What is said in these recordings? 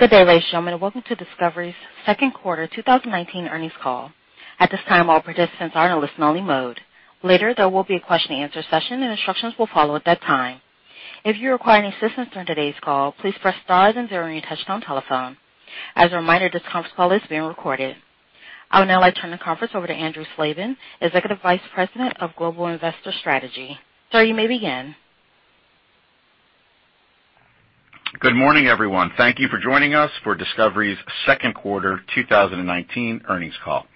Good day, ladies and gentlemen. Welcome to Discovery's second quarter 2019 earnings call. At this time, all participants are in a listen-only mode. Later, there will be a question and answer session, and instructions will follow at that time. If you require any assistance during today's call, please press star then zero on your touchtone telephone. As a reminder, this conference call is being recorded. I would now like to turn the conference over to Andrew Slabin, Executive Vice President of Global Investor Strategy. Sir, you may begin. Good morning, everyone. Thank you for joining us for Discovery's second quarter 2019 earnings call.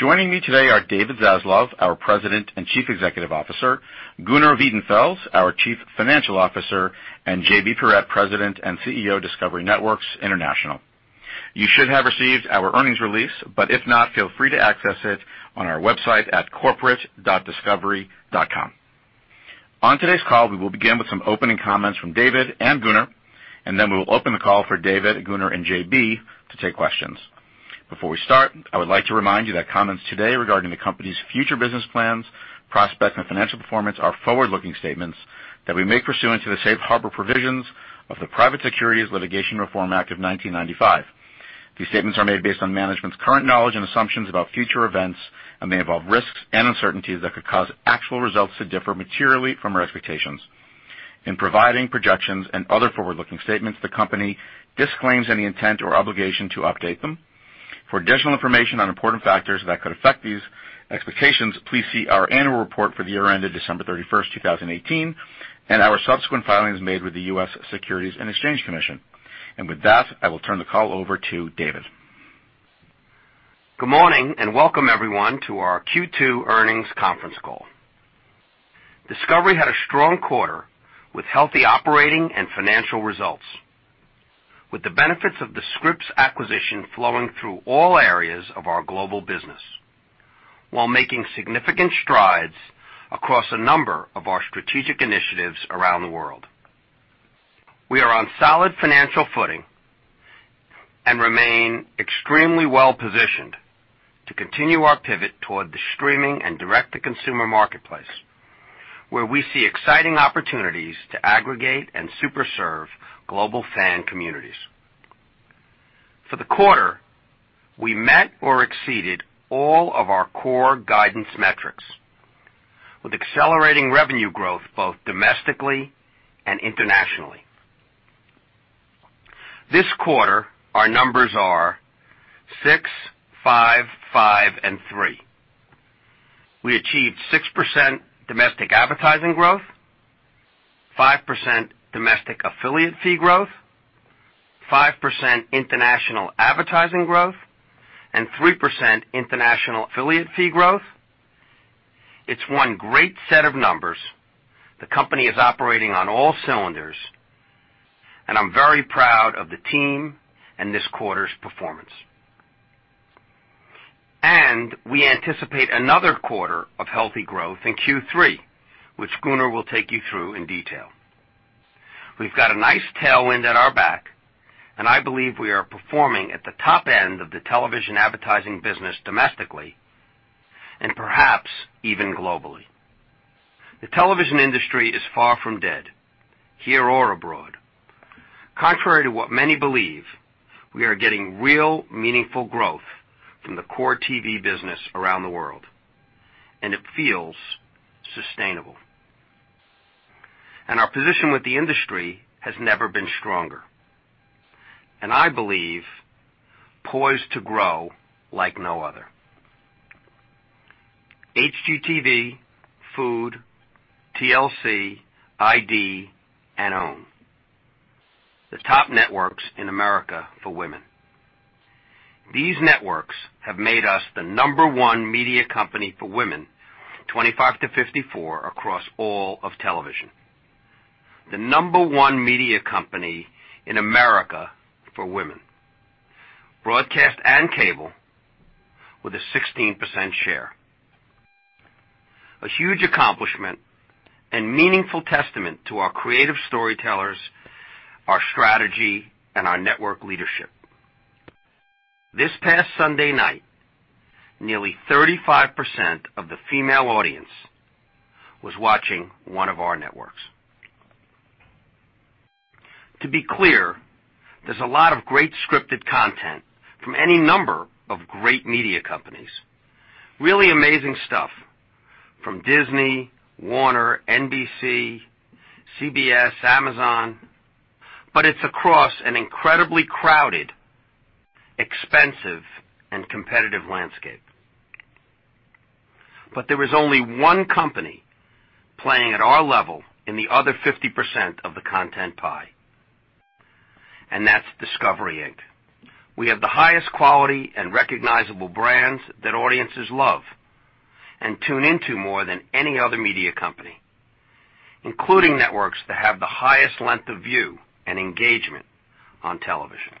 Joining me today are David Zaslav, our President and Chief Executive Officer, Gunnar Wiedenfels, our Chief Financial Officer, and J.B. Perrette, President and CEO, Discovery Networks International. You should have received our earnings release. If not, feel free to access it on our website at corporate.discovery.com. On today's call, we will begin with some opening comments from David and Gunnar. Then we will open the call for David, Gunnar, and J.B. to take questions. Before we start, I would like to remind you that comments today regarding the company's future business plans, prospects, and financial performance are forward-looking statements that we make pursuant to the safe harbor provisions of the Private Securities Litigation Reform Act of 1995. These statements are made based on management's current knowledge and assumptions about future events and may involve risks and uncertainties that could cause actual results to differ materially from our expectations. In providing projections and other forward-looking statements, the company disclaims any intent or obligation to update them. For additional information on important factors that could affect these expectations, please see our annual report for the year ended December 31st, 2018, and our subsequent filings made with the U.S. Securities and Exchange Commission. With that, I will turn the call over to David. Good morning, welcome everyone to our Q2 earnings conference call. Discovery had a strong quarter with healthy operating and financial results. With the benefits of the Scripps acquisition flowing through all areas of our global business while making significant strides across a number of our strategic initiatives around the world. We are on solid financial footing and remain extremely well-positioned to continue our pivot toward the streaming and direct-to-consumer marketplace, where we see exciting opportunities to aggregate and super serve global fan communities. For the quarter, we met or exceeded all of our core guidance metrics with accelerating revenue growth both domestically and internationally. This quarter, our numbers are six, five, and three. We achieved 6% domestic advertising growth, 5% domestic affiliate fee growth, 5% international advertising growth, and 3% international affiliate fee growth. It's one great set of numbers. The company is operating on all cylinders. I'm very proud of the team and this quarter's performance. We anticipate another quarter of healthy growth in Q3, which Gunnar will take you through in detail. We've got a nice tailwind at our back, and I believe we are performing at the top end of the television advertising business domestically and perhaps even globally. The television industry is far from dead, here or abroad. Contrary to what many believe, we are getting real, meaningful growth from the core TV business around the world, and it feels sustainable. Our position with the industry has never been stronger, and I believe poised to grow like no other. HGTV, Food Network, TLC, Investigation Discovery, and OWN, the top networks in America for women. These networks have made us the number one media company for women 25-54 across all of television. The number one media company in America for women, broadcast and cable, with a 16% share. A huge accomplishment and meaningful testament to our creative storytellers, our strategy, and our network leadership. This past Sunday night, nearly 35% of the female audience was watching one of our networks. To be clear, there's a lot of great scripted content from any number of great media companies, really amazing stuff from Disney, Warner, NBC, CBS, Amazon, but it's across an incredibly crowded, expensive, and competitive landscape. There is only one company playing at our level in the other 50% of the content pie, and that's Discovery Inc. We have the highest quality and recognizable brands that audiences love and tune into more than any other media company, including networks that have the highest length of view and engagement on television.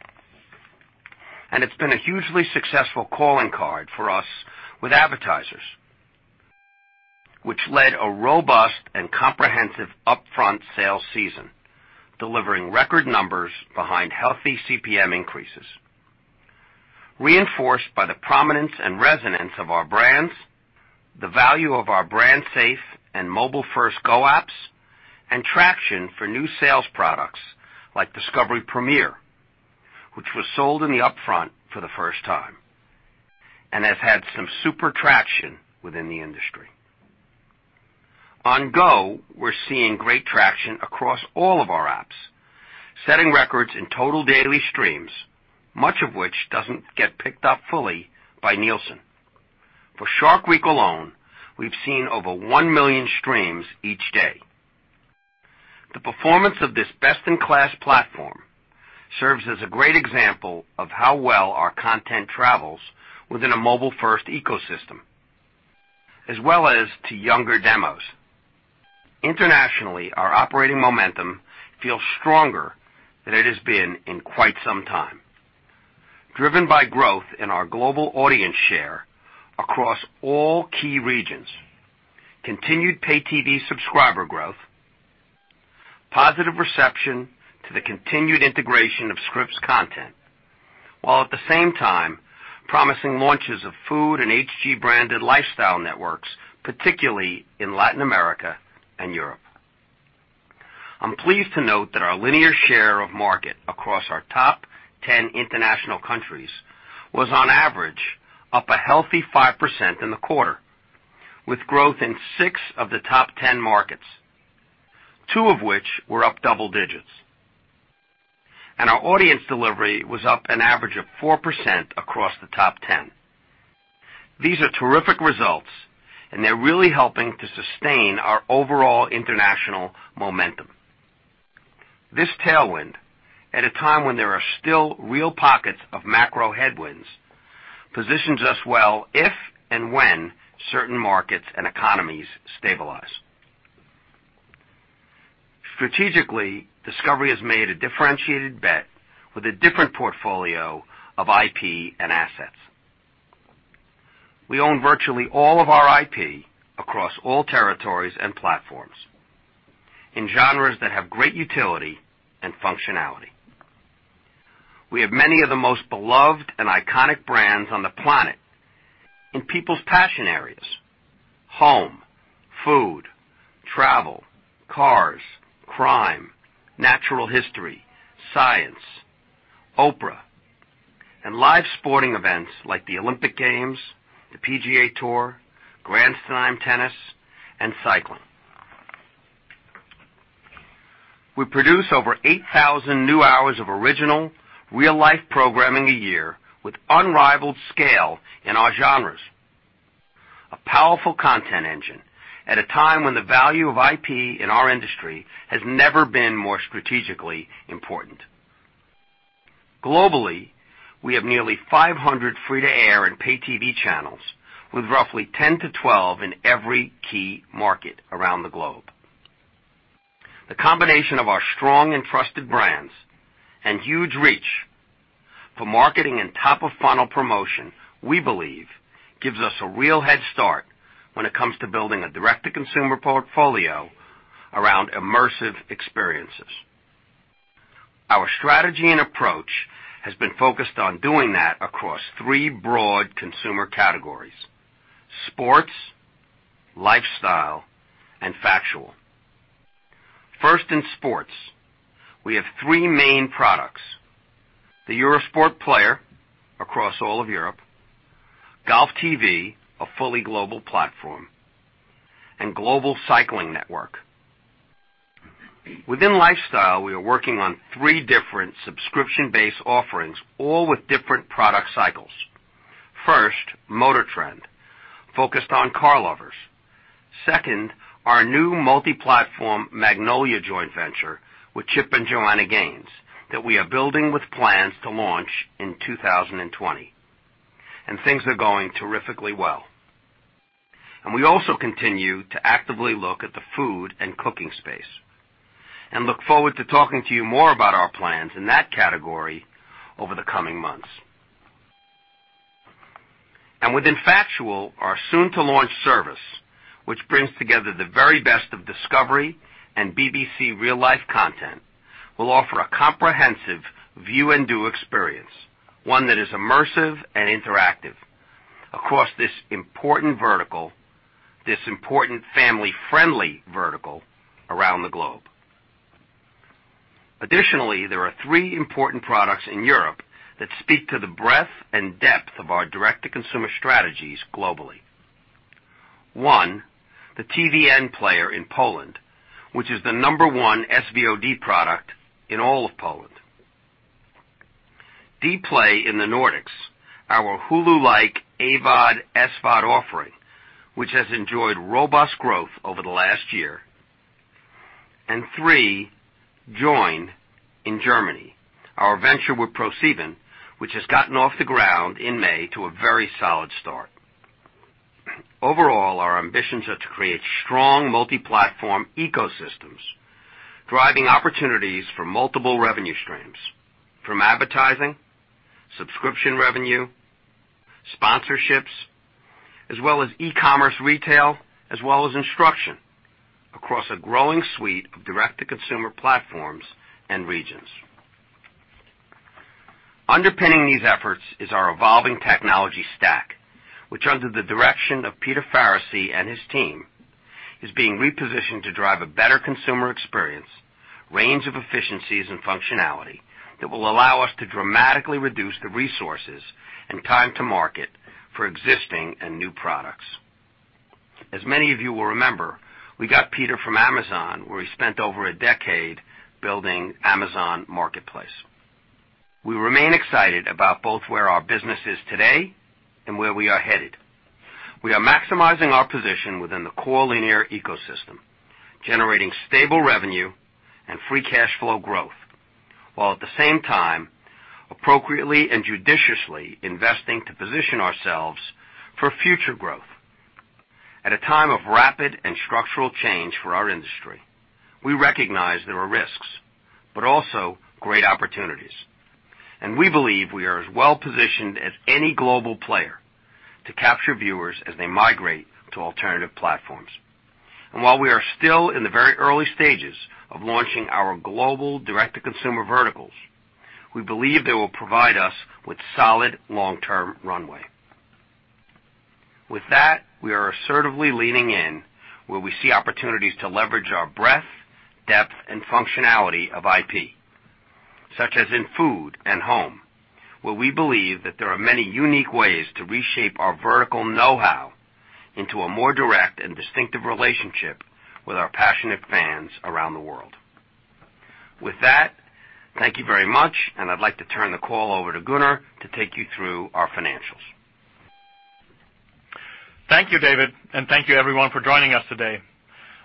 It's been a hugely successful calling card for us with advertisers, which led a robust and comprehensive upfront sales season, delivering record numbers behind healthy CPM increases. Reinforced by the prominence and resonance of our brands, the value of our brand-safe and mobile-first Go apps, and traction for new sales products like Discovery Premiere, which was sold in the upfront for the first time, and has had some super traction within the industry. On Go, we're seeing great traction across all of our apps, setting records in total daily streams, much of which doesn't get picked up fully by Nielsen. For "Shark Week" alone, we've seen over 1 million streams each day. The performance of this best-in-class platform serves as a great example of how well our content travels within a mobile-first ecosystem, as well as to younger demos. Internationally, our operating momentum feels stronger than it has been in quite some time. Driven by growth in our global audience share across all key regions, continued Pay-TV subscriber growth, positive reception to the continued integration of Scripps content, while at the same time, promising launches of Food and HG branded lifestyle networks, particularly in Latin America and Europe. I'm pleased to note that our linear share of market across our top 10 international countries was on average up a healthy 5% in the quarter, with growth in six of the top 10 markets, two of which were up double digits. Our audience delivery was up an average of 4% across the top 10. These are terrific results and they're really helping to sustain our overall international momentum. This tailwind, at a time when there are still real pockets of macro headwinds, positions us well if and when certain markets and economies stabilize. Strategically, Discovery has made a differentiated bet with a different portfolio of IP and assets. We own virtually all of our IP across all territories and platforms in genres that have great utility and functionality. We have many of the most beloved and iconic brands on the planet in people's passion areas, home, food, travel, cars, crime, natural history, science, Oprah, and live sporting events like the Olympic Games, the PGA Tour, Grand Slam Tennis, and cycling. We produce over 8,000 new hours of original, real-life programming a year with unrivaled scale in our genres. A powerful content engine at a time when the value of IP in our industry has never been more strategically important. Globally, we have nearly 500 free to air and Pay-TV channels with roughly 10 to 12 in every key market around the globe. The combination of our strong and trusted brands and huge reach for marketing and top of funnel promotion, we believe gives us a real head start when it comes to building a direct-to-consumer portfolio around immersive experiences. Our strategy and approach has been focused on doing that across three broad consumer categories: sports, lifestyle, and factual. First, in sports, we have three main products. The Eurosport Player across all of Europe, GOLFTV, a fully global platform, and Global Cycling Network. Within lifestyle, we are working on three different subscription-based offerings, all with different product cycles. First, MotorTrend, focused on car lovers. Second, our new multi-platform Magnolia joint venture with Chip and Joanna Gaines that we are building with plans to launch in 2020. Things are going terrifically well. We also continue to actively look at the food and cooking space, and look forward to talking to you more about our plans in that category over the coming months. Within factual, our soon to launch service, which brings together the very best of Discovery and BBC real-life content, will offer a comprehensive view and do experience, one that is immersive and interactive across this important vertical, this important family-friendly vertical around the globe. Additionally, there are three important products in Europe that speak to the breadth and depth of our direct-to-consumer strategies globally. One, the TVN player in Poland, which is the number 1 SVOD product in all of Poland. Dplay in the Nordics, our Hulu-like AVOD, SVOD offering, which has enjoyed robust growth over the last year. Three, Joyn in Germany, our venture with ProSieben, which has gotten off the ground in May to a very solid start. Overall, our ambitions are to create strong multi-platform ecosystems, driving opportunities for multiple revenue streams, from advertising, subscription revenue, sponsorships, as well as e-commerce retail, as well as instruction across a growing suite of direct-to-consumer platforms and regions. Underpinning these efforts is our evolving technology stack, which under the direction of Peter Faricy and his team, is being repositioned to drive a better consumer experience, range of efficiencies and functionality that will allow us to dramatically reduce the resources and time to market for existing and new products. As many of you will remember, we got Peter from Amazon, where he spent over a decade building Amazon Marketplace. We remain excited about both where our business is today and where we are headed. We are maximizing our position within the core linear ecosystem, generating stable revenue and free cash flow growth, while at the same time, appropriately and judiciously investing to position ourselves for future growth. At a time of rapid and structural change for our industry, we recognize there are risks, but also great opportunities, and we believe we are as well-positioned as any global player to capture viewers as they migrate to alternative platforms. While we are still in the very early stages of launching our global direct-to-consumer verticals, we believe they will provide us with solid long-term runway. With that, we are assertively leaning in where we see opportunities to leverage our breadth, depth, and functionality of IP. Such as in food and home, where we believe that there are many unique ways to reshape our vertical know-how into a more direct and distinctive relationship with our passionate fans around the world. With that, thank you very much, and I'd like to turn the call over to Gunnar to take you through our financials. Thank you, David, and thank you everyone for joining us today.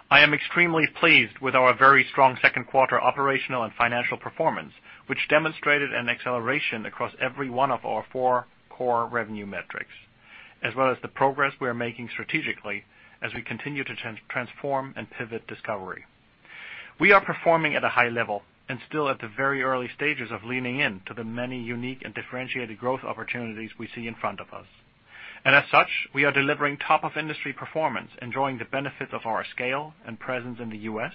I am extremely pleased with our very strong second quarter operational and financial performance, which demonstrated an acceleration across every one of our four core revenue metrics, as well as the progress we are making strategically as we continue to transform and pivot Discovery. We are performing at a high level and still at the very early stages of leaning in to the many unique and differentiated growth opportunities we see in front of us. As such, we are delivering top of industry performance, enjoying the benefits of our scale and presence in the U.S.,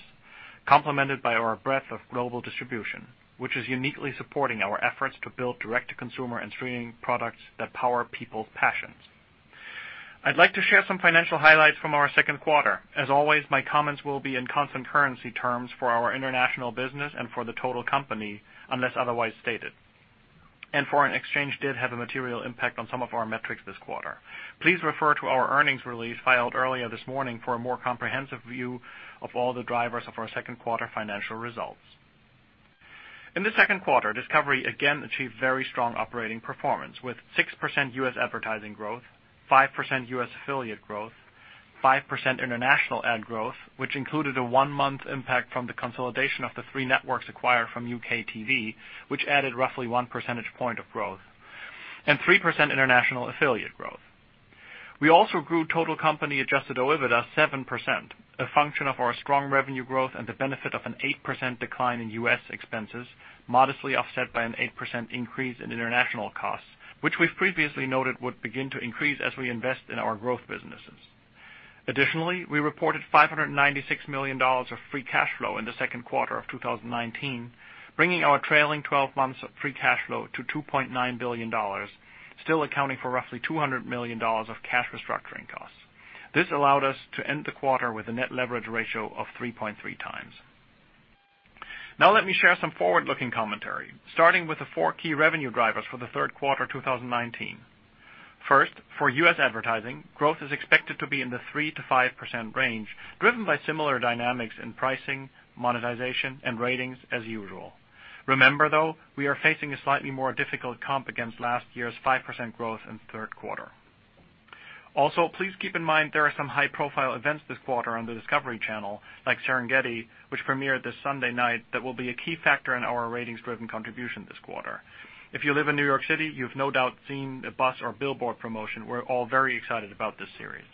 complemented by our breadth of global distribution, which is uniquely supporting our efforts to build direct-to-consumer and streaming products that power people's passions. I'd like to share some financial highlights from our second quarter. As always, my comments will be in constant currency terms for our international business and for the total company, unless otherwise stated. Foreign exchange did have a material impact on some of our metrics this quarter. Please refer to our earnings release filed earlier this morning for a more comprehensive view of all the drivers of our second quarter financial results. In the second quarter, Discovery again achieved very strong operating performance with 6% U.S. advertising growth, 5% U.S. affiliate growth, 5% international ad growth, which included a one-month impact from the consolidation of the three networks acquired from UKTV, which added roughly one percentage point of growth, and 3% international affiliate growth. We also grew total company adjusted OIBDA 7%, a function of our strong revenue growth and the benefit of an 8% decline in U.S. expenses, modestly offset by an 8% increase in international costs, which we've previously noted would begin to increase as we invest in our growth businesses. Additionally, we reported $596 million of free cash flow in the second quarter of 2019, bringing our trailing 12 months of free cash flow to $2.9 billion, still accounting for roughly $200 million of cash restructuring costs. This allowed us to end the quarter with a net leverage ratio of 3.3x. Now let me share some forward-looking commentary, starting with the four key revenue drivers for the third quarter 2019. First, for U.S. advertising, growth is expected to be in the 3%-5% range, driven by similar dynamics in pricing, monetization, and ratings as usual. Remember though, we are facing a slightly more difficult comp against last year's 5% growth in the third quarter. Please keep in mind there are some high profile events this quarter on the Discovery Channel, like "Serengeti," which premiered this Sunday night, that will be a key factor in our ratings-driven contribution this quarter. If you live in New York City, you've no doubt seen a bus or billboard promotion. We're all very excited about this series.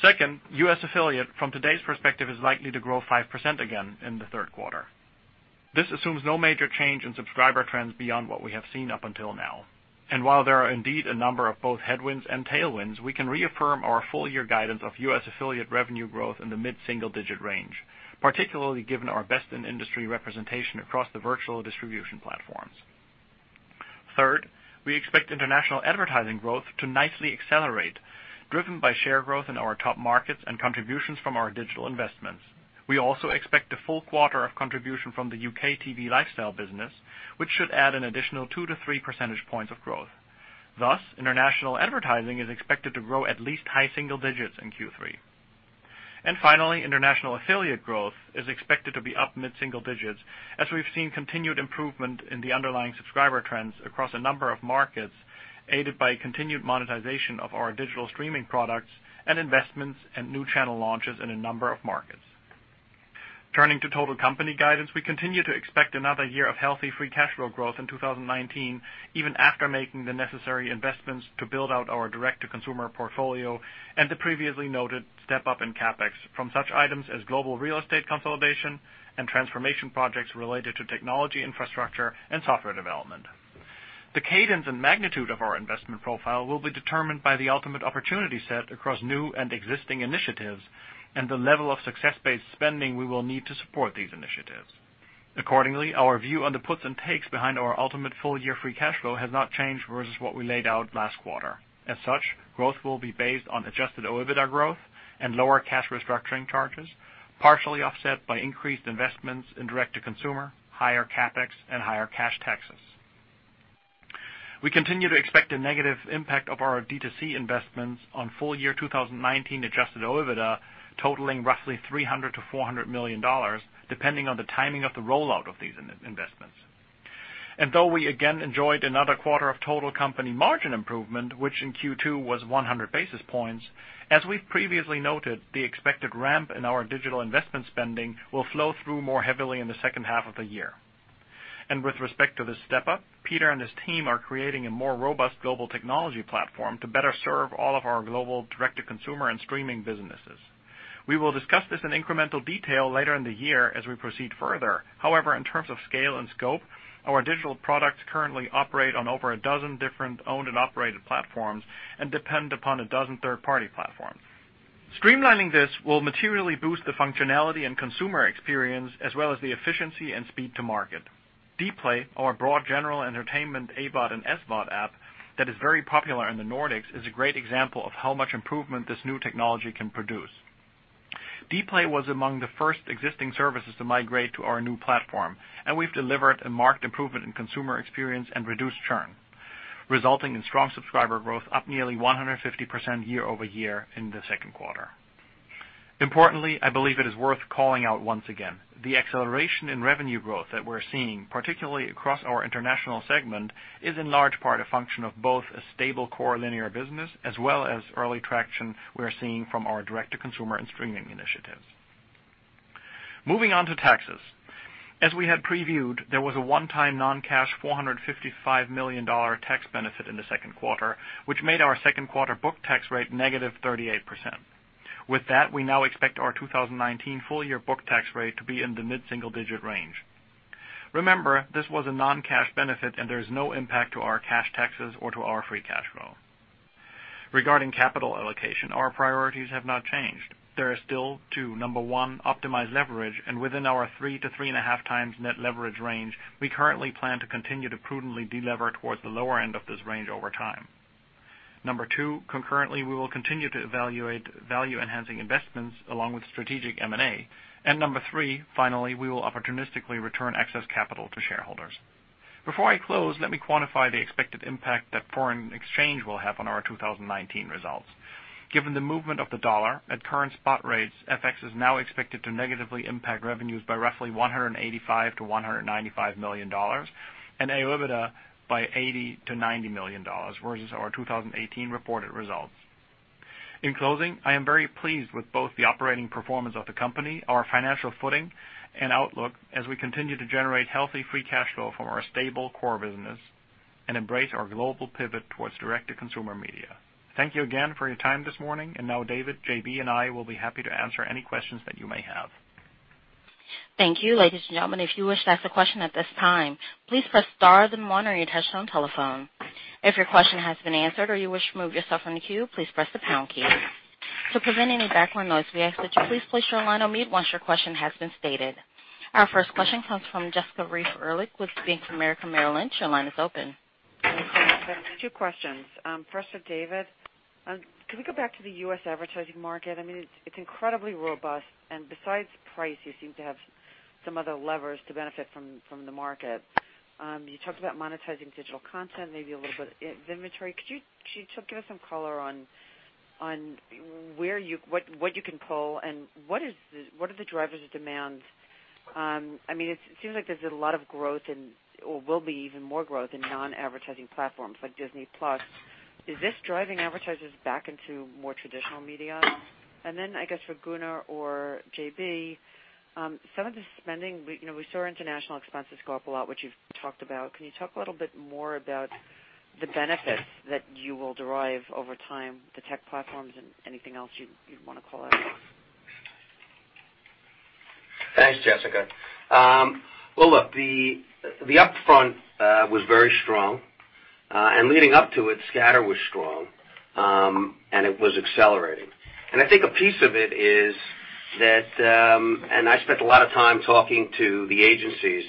Second, U.S. affiliate, from today's perspective, is likely to grow 5% again in the third quarter. This assumes no major change in subscriber trends beyond what we have seen up until now. While there are indeed a number of both headwinds and tailwinds, we can reaffirm our full year guidance of U.S. affiliate revenue growth in the mid-single digit range, particularly given our best in industry representation across the virtual distribution platforms. Third, we expect international advertising growth to nicely accelerate, driven by share growth in our top markets and contributions from our digital investments. We also expect a full quarter of contribution from the UKTV lifestyle business, which should add an additional 2-3 percentage points of growth. Thus, international advertising is expected to grow at least high single digits in Q3. Finally, international affiliate growth is expected to be up mid-single digits as we've seen continued improvement in the underlying subscriber trends across a number of markets, aided by continued monetization of our digital streaming products and investments and new channel launches in a number of markets. Turning to total company guidance, we continue to expect another year of healthy free cash flow growth in 2019, even after making the necessary investments to build out our direct-to-consumer portfolio and the previously noted step-up in CapEx from such items as global real estate consolidation and transformation projects related to technology infrastructure and software development. The cadence and magnitude of our investment profile will be determined by the ultimate opportunity set across new and existing initiatives and the level of success-based spending we will need to support these initiatives. Accordingly, our view on the puts and takes behind our ultimate full-year free cash flow has not changed versus what we laid out last quarter. As such, growth will be based on adjusted OIBDA growth and lower cash restructuring charges, partially offset by increased investments in direct-to-consumer, higher CapEx, and higher cash taxes. We continue to expect a negative impact of our D2C investments on full-year 2019 adjusted OIBDA totaling roughly $300-$400 million, depending on the timing of the rollout of these investments. Though we again enjoyed another quarter of total company margin improvement, which in Q2 was 100 basis points, as we've previously noted, the expected ramp in our digital investment spending will flow through more heavily in the second half of the year. With respect to this step-up, Peter and his team are creating a more robust global technology platform to better serve all of our global direct-to-consumer and streaming businesses. We will discuss this in incremental detail later in the year as we proceed further. However, in terms of scale and scope, our digital products currently operate on over 12 different owned and operated platforms and depend upon 12 third-party platforms. Streamlining this will materially boost the functionality and consumer experience as well as the efficiency and speed to market. Dplay, our broad general entertainment AVOD and SVOD app that is very popular in the Nordics, is a great example of how much improvement this new technology can produce. Dplay was among the first existing services to migrate to our new platform, and we've delivered a marked improvement in consumer experience and reduced churn, resulting in strong subscriber growth, up nearly 150% year-over-year in the second quarter. Importantly, I believe it is worth calling out once again, the acceleration in revenue growth that we're seeing, particularly across our international segment, is in large part a function of both a stable core linear business as well as early traction we're seeing from our direct-to-consumer and streaming initiatives. Moving on to taxes. As we had previewed, there was a one-time non-cash $455 million tax benefit in the second quarter, which made our second quarter book tax rate negative 38%. We now expect our 2019 full-year book tax rate to be in the mid-single digit range. Remember, this was a non-cash benefit. There's no impact to our cash taxes or to our free cash flow. Regarding capital allocation, our priorities have not changed. They are still to, number one, optimize leverage. Within our 3x to 3.5x net leverage range, we currently plan to continue to prudently de-lever towards the lower end of this range over time. Number two, concurrently, we will continue to evaluate value-enhancing investments along with strategic M&A. Number three, finally, we will opportunistically return excess capital to shareholders. Before I close, let me quantify the expected impact that foreign exchange will have on our 2019 results. Given the movement of the dollar at current spot rates, FX is now expected to negatively impact revenues by roughly $185 million-$195 million and OIBDA by $80 million-$90 million versus our 2018 reported results. In closing, I am very pleased with both the operating performance of the company, our financial footing, and outlook as we continue to generate healthy free cash flow from our stable core business and embrace our global pivot towards direct-to-consumer media. Thank you again for your time this morning. Now, David, J.B., and I will be happy to answer any questions that you may have. Thank you. Ladies and gentlemen, if you wish to ask a question at this time, please press star then one on your touchtone telephone. If your question has been answered or you wish to remove yourself from the queue, please press the pound key. To prevent any background noise, we ask that you please place your line on mute once your question has been stated. Our first question comes from Jessica Reif Ehrlich with Bank of America Merrill Lynch. Your line is open. Thanks so much. I have two questions. First for David. Can we go back to the U.S. advertising market? It's incredibly robust. Besides price, you seem to have some other levers to benefit from the market. You talked about monetizing digital content, maybe a little bit of inventory. Could you give us some color on what you can pull, and what are the drivers of demand? It seems like there's a lot of growth or will be even more growth in non-advertising platforms like Disney+. Is this driving advertisers back into more traditional media? I guess for Gunnar or JB, some of the spending, we saw international expenses go up a lot, which you've talked about. Can you talk a little bit more about the benefits that you will derive over time, the tech platforms, and anything else you'd want to call out? Thanks, Jessica. Well, look, the upfront was very strong, and leading up to it, scatter was strong, and it was accelerating. I think a piece of it is that, and I spent a lot of time talking to the agencies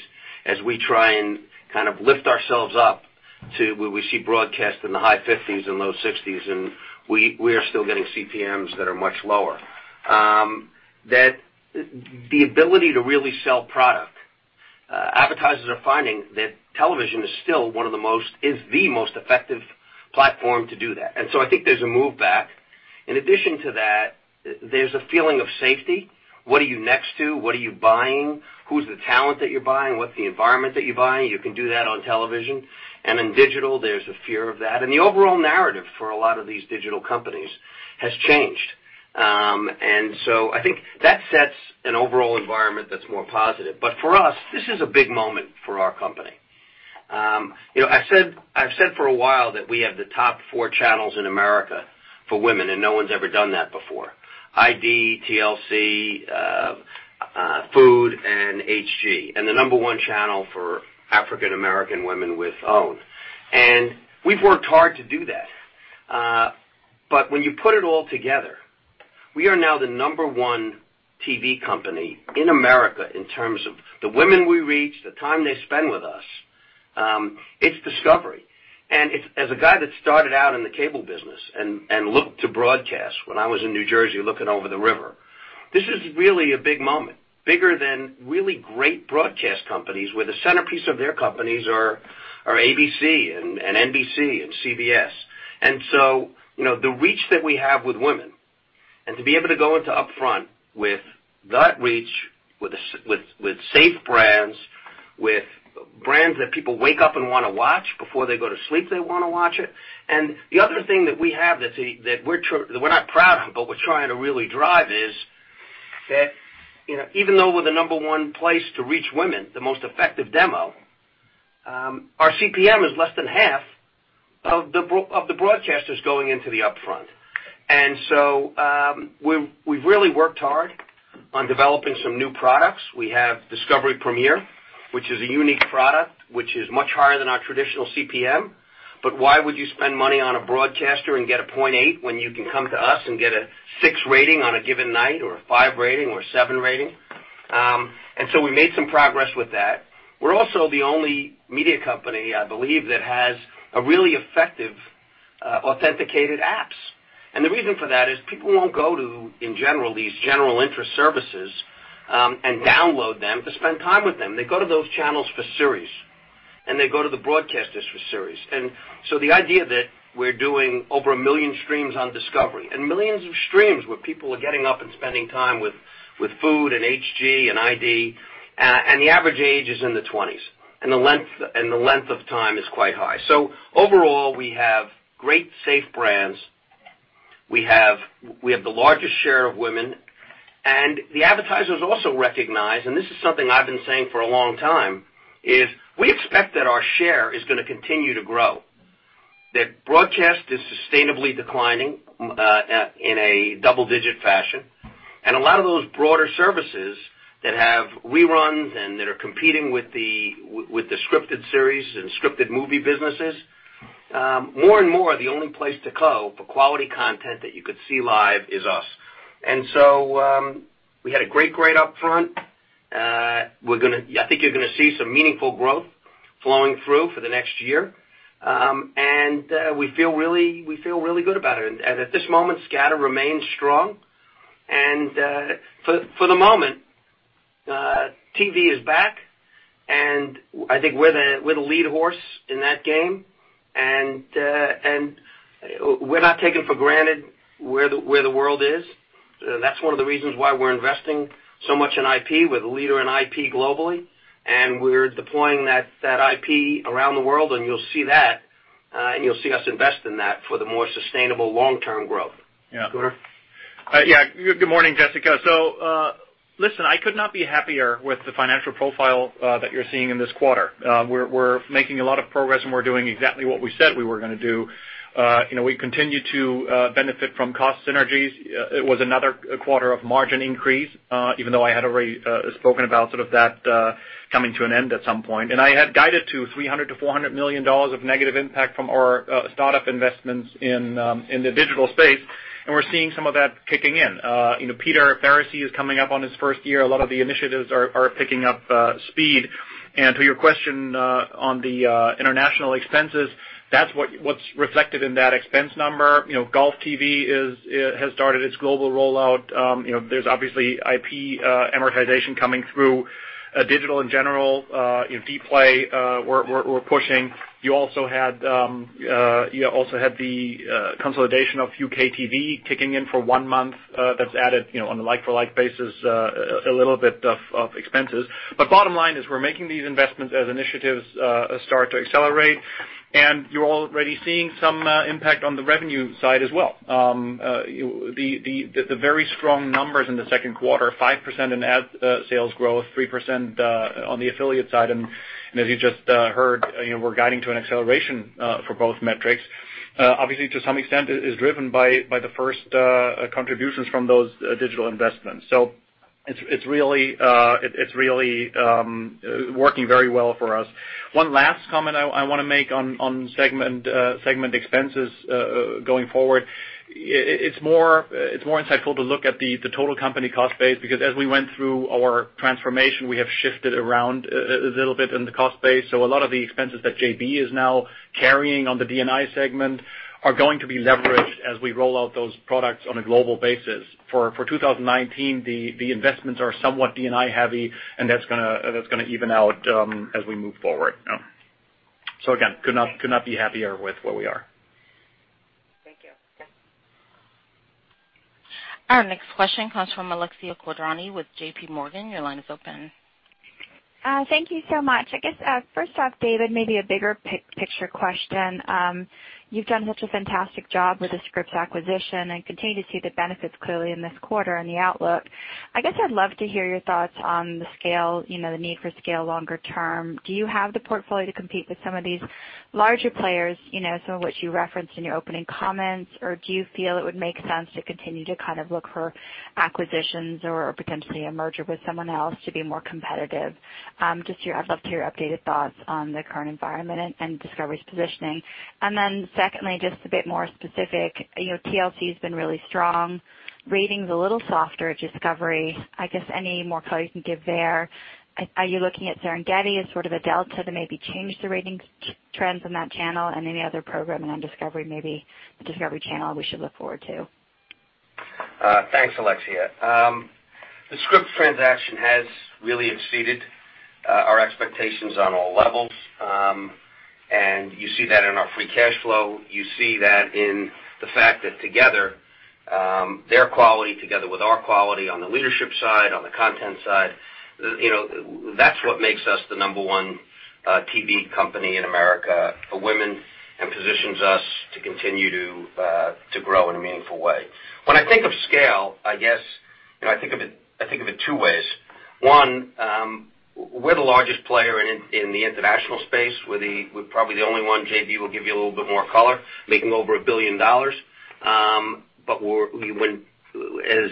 as we try and kind of lift ourselves up to where we see broadcast in the high 50s and low 60s, and we are still getting CPMs that are much lower. That the ability to really sell product, advertisers are finding that television is still one of the most, is the most effective platform to do that. I think there's a move back. In addition to that, there's a feeling of safety. What are you next to? What are you buying? Who's the talent that you're buying? What's the environment that you're buying? You can do that on television. In digital, there's a fear of that. The overall narrative for a lot of these digital companies has changed. I think that sets an overall environment that's more positive. For us, this is a big moment for our company. I've said for a while that we have the top four channels in America for women, and no one's ever done that before. ID, TLC, Food Network. HGTV, and the number one channel for African American women with OWN. We've worked hard to do that. When you put it all together, we are now the number one TV company in America in terms of the women we reach, the time they spend with us. It's Discovery, and as a guy that started out in the cable business and looked to broadcast when I was in New Jersey, looking over the river, this is really a big moment, bigger than really great broadcast companies where the centerpiece of their companies are ABC and NBC and CBS. The reach that we have with women, and to be able to go into upfront with that reach, with safe brands, with brands that people wake up and want to watch, before they go to sleep, they want to watch it. The other thing that we have that we're not proud of, but we're trying to really drive is that, even though we're the number one place to reach women, the most effective demo, our CPM is less than half of the broadcasters going into the upfront. We've really worked hard on developing some new products. We have Discovery Premiere, which is a unique product, which is much higher than our traditional CPM. Why would you spend money on a broadcaster and get a 0.8 when you can come to us and get a six rating on a given night, or a five rating or a seven rating? We made some progress with that. We're also the only media company, I believe, that has a really effective authenticated apps. The reason for that is people won't go to, in general, these general interest services, and download them to spend time with them. They go to those channels for series, and they go to the broadcasters for series. The idea that we're doing over 1 million streams on Discovery, and millions of streams where people are getting up and spending time with Food and HG and ID, and the average age is in the 20s, and the length of time is quite high. Overall, we have great, safe brands. We have the largest share of women, and the advertisers also recognize, and this is something I've been saying for a long time, is we expect that our share is going to continue to grow, that broadcast is sustainably declining in a double-digit fashion. A lot of those broader services that have reruns and that are competing with the scripted series and scripted movie businesses, more and more, the only place to go for quality content that you could see live is us. We had a great grade upfront. I think you're going to see some meaningful growth flowing through for the next year. We feel really good about it. At this moment, scatter remains strong. For the moment, TV is back, and I think we're the lead horse in that game. We're not taking for granted where the world is. That's one of the reasons why we're investing so much in IP. We're the leader in IP globally, and we're deploying that IP around the world, and you'll see that, and you'll see us invest in that for the more sustainable long-term growth. Yeah. Gunnar? Good morning, Jessica. Listen, I could not be happier with the financial profile that you're seeing in this quarter. We're making a lot of progress. We're doing exactly what we said we were going to do. We continue to benefit from cost synergies. It was another quarter of margin increase, even though I had already spoken about that coming to an end at some point. I had guided to $300 million-$400 million of negative impact from our startup investments in the digital space. We're seeing some of that kicking in. Peter Faricy is coming up on his first year. A lot of the initiatives are picking up speed. To your question on the international expenses, that's what's reflected in that expense number. GOLFTV has started its global rollout. There's obviously IP amortization coming through digital in general. Dplay, we're pushing. You also had the consolidation of UKTV kicking in for one month. That's added, on a like-for-like basis, a little bit of expenses. Bottom line is we're making these investments as initiatives start to accelerate, and you're already seeing some impact on the revenue side as well. The very strong numbers in the second quarter, 5% in ad sales growth, 3% on the affiliate side, and as you just heard, we're guiding to an acceleration for both metrics. To some extent, it is driven by the first contributions from those digital investments. It's really working very well for us. One last comment I want to make on segment expenses going forward. It's more insightful to look at the total company cost base, because as we went through our transformation, we have shifted around a little bit in the cost base. A lot of the expenses that J.B. is now carrying on the DNI segment are going to be leveraged as we roll out those products on a global basis. For 2019, the investments are somewhat DNI heavy, and that's going to even out as we move forward. Again, could not be happier with where we are. Thank you. Okay. Our next question comes from Alexia Quadrani with JPMorgan. Your line is open. Thank you so much. I guess, first off, David, maybe a bigger picture question. You've done such a fantastic job with the Scripps acquisition and continue to see the benefits clearly in this quarter and the outlook. I guess I'd love to hear your thoughts on the need for scale longer term. Do you have the portfolio to compete with some of these larger players, some of which you referenced in your opening comments, or do you feel it would make sense to continue to look for acquisitions or potentially a merger with someone else to be more competitive. I'd love to hear your updated thoughts on the current environment and Discovery's positioning. Secondly, just a bit more specific, TLC has been really strong. Ratings a little softer at Discovery. I guess any more color you can give there. Are you looking at Serengeti as sort of a delta to maybe change the ratings trends on that channel and any other programming on Discovery, maybe Discovery Channel we should look forward to? Thanks, Alexia. The Scripps transaction has really exceeded our expectations on all levels. You see that in our free cash flow. You see that in the fact that together, their quality together with our quality on the leadership side, on the content side, that's what makes us the number one TV company in America for women and positions us to continue to grow in a meaningful way. When I think of scale, I guess, I think of it two ways. One, we're the largest player in the international space. We're probably the only one, J.B. will give you a little bit more color, making over $1 billion. As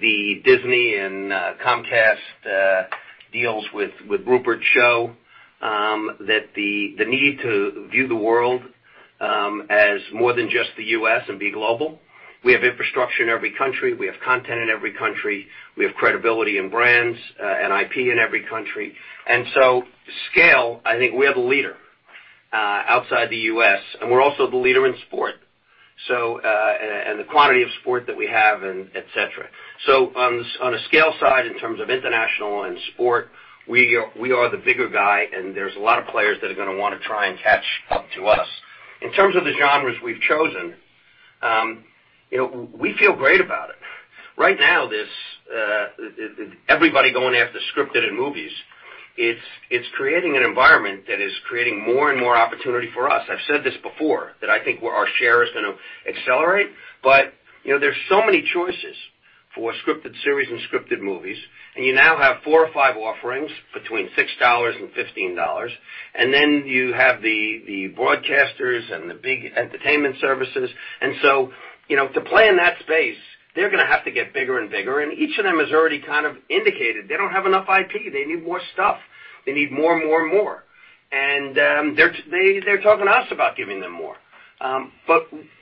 the Disney and Comcast deals with Rupert show, that the need to view the world as more than just the U.S. and be global. We have infrastructure in every country. We have content in every country. We have credibility in brands and IP in every country. Scale, I think we have a leader outside the U.S., and we're also the leader in sport. The quantity of sport that we have, et cetera. On a scale side, in terms of international and sport, we are the bigger guy, and there's a lot of players that are going to want to try and catch up to us. In terms of the genres we've chosen, we feel great about it. Right now, everybody going after scripted and movies, it's creating an environment that is creating more and more opportunity for us. I've said this before, that I think our share is going to accelerate, but there's so many choices for scripted series and scripted movies, and you now have four or five offerings between $6 and $15, and then you have the broadcasters and the big entertainment services. To play in that space, they're going to have to get bigger and bigger, and each of them has already kind of indicated they don't have enough IP. They need more stuff. They need more, more, more. They're talking to us about giving them more.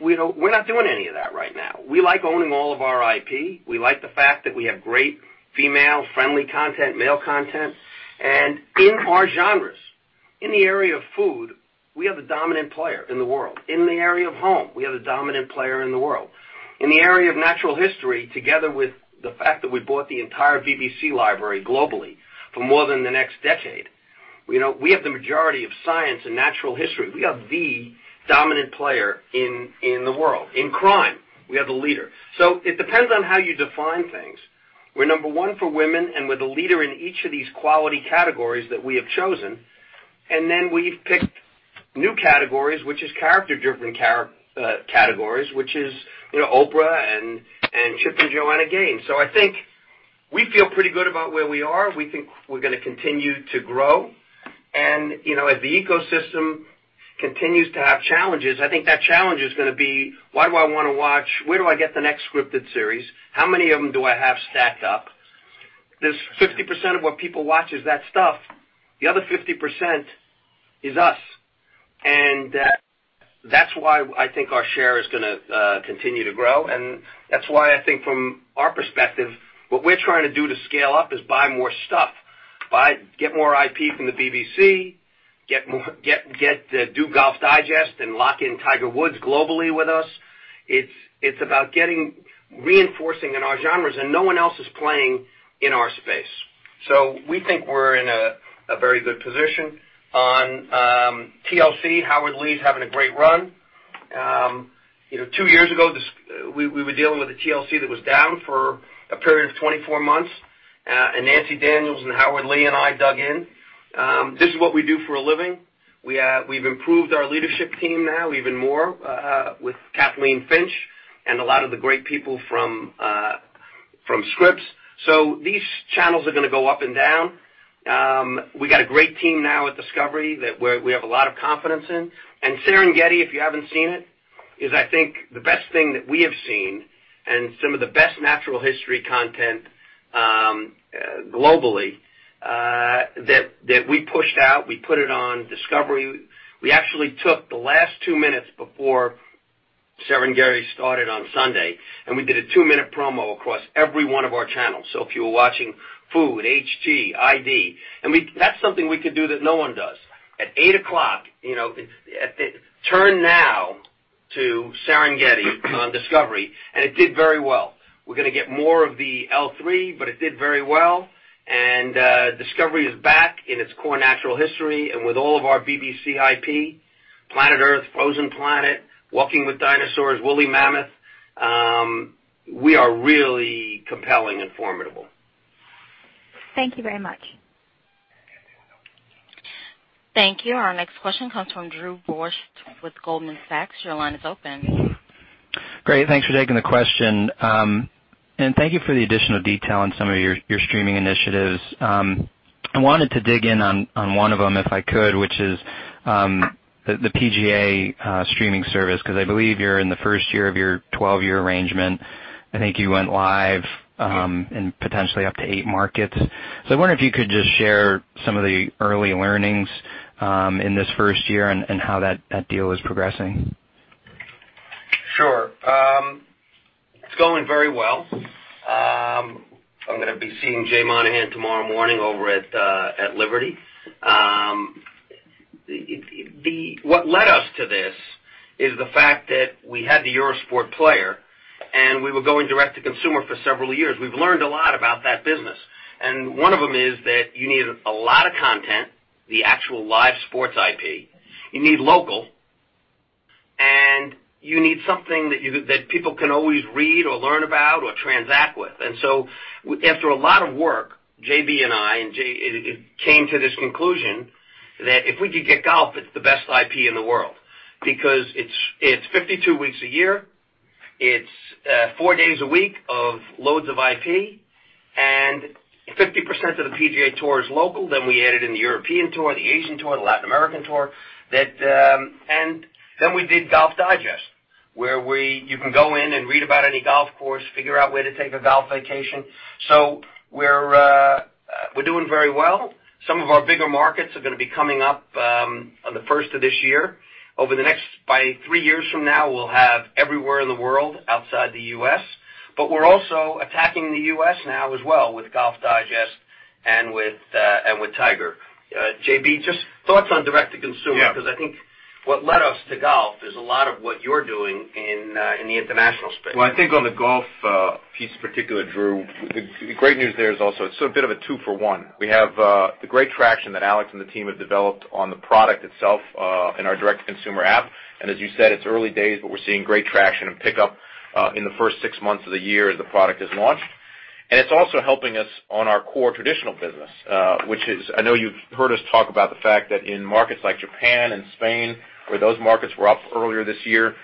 We're not doing any of that right now. We like owning all of our IP. We like the fact that we have great female-friendly content, male content. In our genres, in the area of food, we have the dominant player in the world. In the area of home, we have the dominant player in the world. In the area of natural history, together with the fact that we bought the entire BBC library globally for more than the next decade, we have the majority of science and natural history. We have the dominant player in the world. In crime, we have the leader. It depends on how you define things. We're number one for women, and we're the leader in each of these quality categories that we have chosen, we've picked new categories, which is character-driven categories, which is Oprah and Chip and Joanna Gaines. I think we feel pretty good about where we are. We think we're going to continue to grow. As the ecosystem continues to have challenges, I think that challenge is going to be, why do I want to watch? Where do I get the next scripted series? How many of them do I have stacked up? There's 50% of what people watch is that stuff. The other 50% is us. That's why I think our share is going to continue to grow. That's why I think from our perspective, what we're trying to do to scale up is buy more stuff. Get more IP from the BBC, do Golf Digest and lock in Tiger Woods globally with us. It's about reinforcing in our genres, and no one else is playing in our space. We think we're in a very good position. On TLC, Howard Lee's having a great run. Two years ago, we were dealing with a TLC that was down for a period of 24 months, and Nancy Daniels and Howard Lee and I dug in. This is what we do for a living. We've improved our leadership team now even more with Kathleen Finch and a lot of the great people from Scripps. These channels are going to go up and down. We got a great team now at Discovery that we have a lot of confidence in. Serengeti, if you haven't seen it, is I think the best thing that we have seen and some of the best natural history content globally that we pushed out. We put it on discovery+. We actually took the last two minutes before Serengeti started on Sunday, and we did a two-minute promo across every one of our channels. So if you were watching Food, HGTV, ID, that's something we could do that no one does. At 8:00 o'clock, turn now to Serengeti on Discovery, and it did very well. We're going to get more of the L3, but it did very well. Discovery is back in its core natural history, and with all of our BBC IP, Planet Earth, Frozen Planet, Walking with Dinosaurs, Woolly Mammoth, we are really compelling and formidable. Thank you very much. Thank you. Our next question comes from Drew Borst with Goldman Sachs. Your line is open. Great. Thanks for taking the question. Thank you for the additional detail on some of your streaming initiatives. I wanted to dig in on one of them if I could, which is the PGA streaming service, because I believe you're in the first year of your 12-year arrangement. I think you went live in potentially up to eight markets. I wonder if you could just share some of the early learnings in this first year and how that deal is progressing. Sure. It's going very well. I'm going to be seeing Jay Monahan tomorrow morning over at Liberty. What led us to this is the fact that we had the Eurosport Player, and we were going direct to consumer for several years. We've learned a lot about that business. One of them is that you need a lot of content, the actual live sports IP. You need local, and you need something that people can always read or learn about or transact with. After a lot of work, JB and I came to this conclusion that if we could get golf, it's the best IP in the world because it's 52 weeks a year. It's four days a week of loads of IP, and 50% of the PGA Tour is local. We added in the European Tour, the Asian Tour, the Latin American Tour. We did Golf Digest, where you can go in and read about any golf course, figure out where to take a golf vacation. We're doing very well. Some of our bigger markets are going to be coming up on the first of this year. By three years from now, we'll have everywhere in the world outside the U.S., but we're also attacking the U.S. now as well with Golf Digest and with Tiger. J.B., just thoughts on direct to consumer- Yeah. Because I think what led us to golf is a lot of what you're doing in the international space. Well, I think on the golf piece particular, Drew, the great news there is also it's a bit of a two for one. We have the great traction that Alex and the team have developed on the product itself in our direct-to-consumer app. As you said, it's early days, but we're seeing great traction and pickup in the first six months of the year as the product is launched. It's also helping us on our core traditional business, which is, I know you've heard us talk about the fact that in markets like Japan and Spain, where those markets were up earlier this year,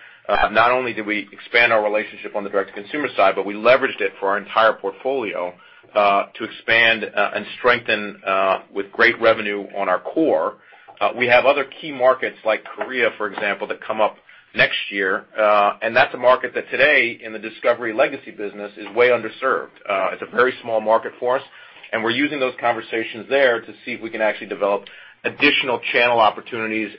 not only did we expand our relationship on the direct-to-consumer side, but we leveraged it for our entire portfolio to expand and strengthen with great revenue on our core. We have other key markets like Korea, for example, that come up next year. That's a market that today in the Discovery legacy business is way underserved. It's a very small market for us, and we're using those conversations there to see if we can actually develop additional channel opportunities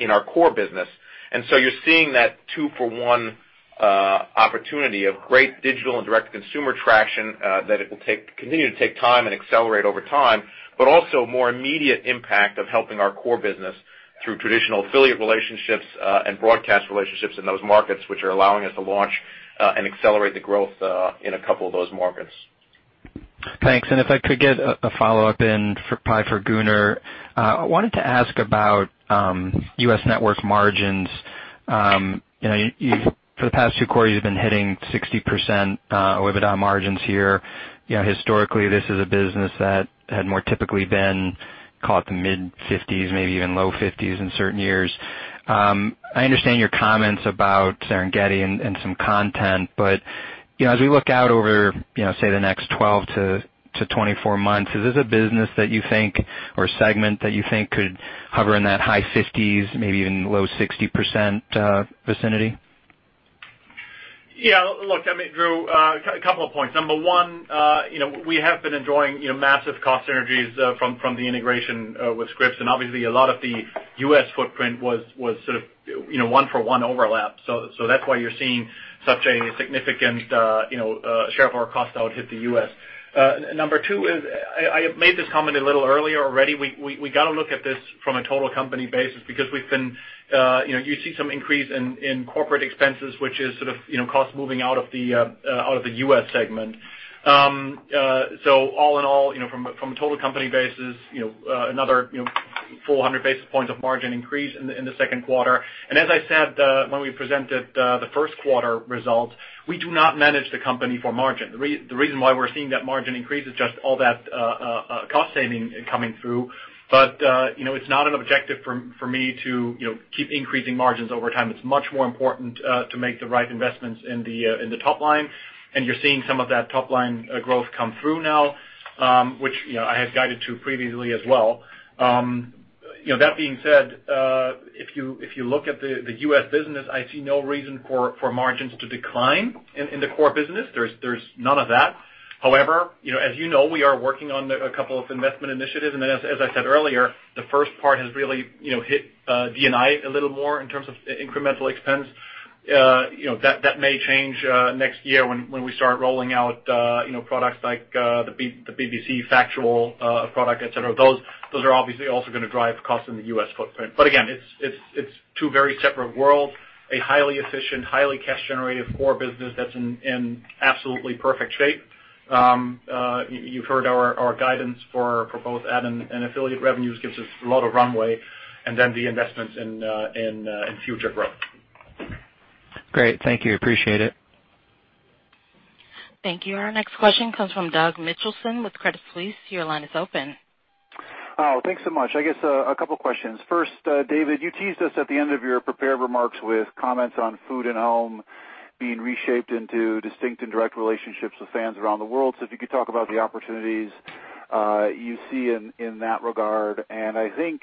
in our core business. You're seeing that two for one opportunity of great digital and direct consumer traction, that it will continue to take time and accelerate over time, but also more immediate impact of helping our core business through traditional affiliate relationships and broadcast relationships in those markets, which are allowing us to launch and accelerate the growth in a couple of those markets. Thanks. If I could get a follow-up in probably for Gunnar. I wanted to ask about U.S. network margins. For the past two quarters, you've been hitting 60% OIBDA margins here. Historically, this is a business that had more typically been caught the mid-50s, maybe even low 50s in certain years. I understand your comments about Serengeti and some content. As we look out over, say, the next 12-24 months, is this a business that you think, or segment that you think could hover in that high 50s, maybe even low 60% vicinity? Yeah, look, Drew, a couple of points. Number one, we have been enjoying massive cost synergies from the integration with Scripps, obviously a lot of the U.S. footprint was sort of one for one overlap. Number two is, I have made this comment a little earlier already. We got to look at this from a total company basis because you see some increase in corporate expenses, which is sort of cost moving out of the U.S. segment. All in all, from a total company basis, another 400 basis points of margin increase in the second quarter. As I said when we presented the first quarter results, we do not manage the company for margin. The reason why we're seeing that margin increase is just all that cost saving coming through. It's not an objective for me to keep increasing margins over time. It's much more important to make the right investments in the top-line, and you're seeing some of that top-line growth come through now, which I have guided to previously as well. That being said, if you look at the U.S. business, I see no reason for margins to decline in the core business. There's none of that. However, as you know, we are working on a couple of investment initiatives. As I said earlier, the first part has really hit DNI a little more in terms of incremental expense. That may change next year when we start rolling out products like the BBC factual product, et cetera. Those are obviously also going to drive costs in the U.S. footprint. Again, it's two very separate worlds, a highly efficient, highly cash generative core business that's in absolutely perfect shape. You've heard our guidance for both ad and affiliate revenues gives us a lot of runway and then the investments in future growth. Great. Thank you. Appreciate it. Thank you. Our next question comes from Doug Mitchelson with Credit Suisse. Your line is open. Thanks so much. I guess a couple of questions. David, you teased us at the end of your prepared remarks with comments on Food and Home being reshaped into distinct and direct relationships with fans around the world. If you could talk about the opportunities you see in that regard. I think,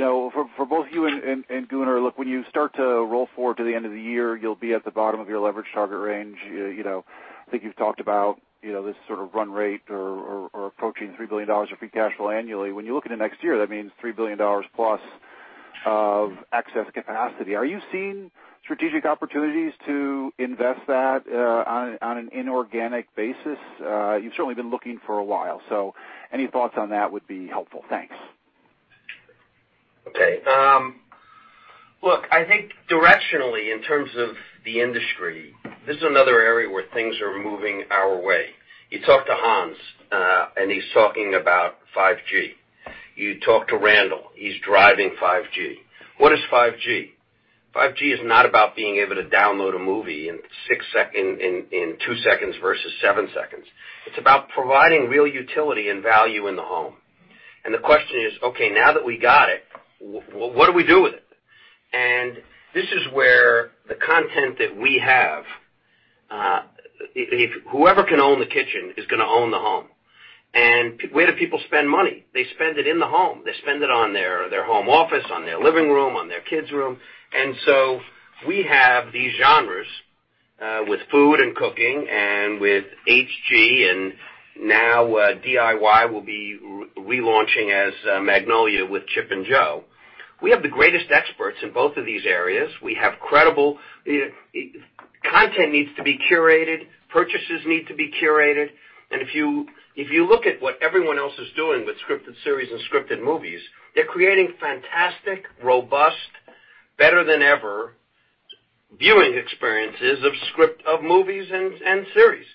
for both you and Gunnar, look, when you start to roll forward to the end of the year, you'll be at the bottom of your leverage target range. I think you've talked about this sort of run rate or approaching $3 billion of free cash flow annually. When you look at the next year, that means $3 billion plus of excess capacity. Are you seeing strategic opportunities to invest that on an inorganic basis? You've certainly been looking for a while, any thoughts on that would be helpful. Thanks. Okay. Look, I think directionally, in terms of the industry, this is another area where things are moving our way. You talk to Hans and he's talking about 5G. You talk to Randall, he's driving 5G. What is 5G? 5G is not about being able to download a movie in two seconds versus seven seconds. It's about providing real utility and value in the home. The question is, okay, now that we got it, what do we do with it? This is where the content that we have, whoever can own the kitchen is going to own the home. Where do people spend money? They spend it in the home. They spend it on their home office, on their living room, on their kids' room. We have these genres with food and cooking and with HGTV, and now DIY will be relaunching as Magnolia with Chip and Jo. We have the greatest experts in both of these areas. Content needs to be curated, purchases need to be curated. If you look at what everyone else is doing with scripted series and scripted movies, they're creating fantastic, robust, better than ever viewing experiences of movies and series.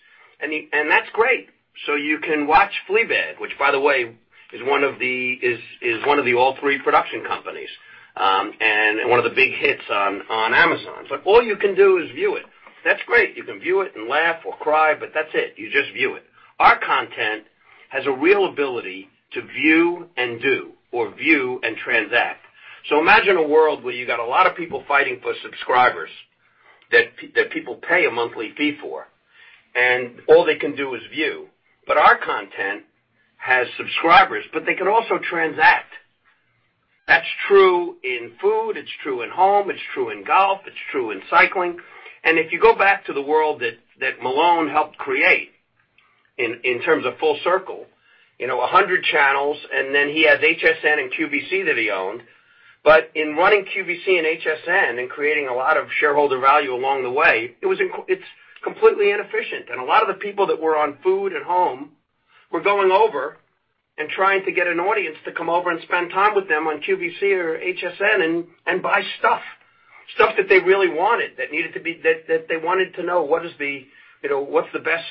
That's great. You can watch "Fleabag," which by the way, is one of the All3Media production companies, and one of the big hits on Amazon. All you can do is view it. That's great. You can view it and laugh or cry, but that's it. You just view it. Our content has a real ability to view and do or view and transact. Imagine a world where you've got a lot of people fighting for subscribers that people pay a monthly fee for, and all they can do is view. Our content has subscribers, but they can also transact. That's true in food, it's true in home, it's true in golf, it's true in cycling. If you go back to the world that Malone helped create in terms of full circle, 100 channels, and then he has HSN and QVC that he owned. In running QVC and HSN and creating a lot of shareholder value along the way, it's completely inefficient. A lot of the people that were on Food at Home were going over and trying to get an audience to come over and spend time with them on QVC or HSN and buy stuff that they really wanted, that they wanted to know what's the best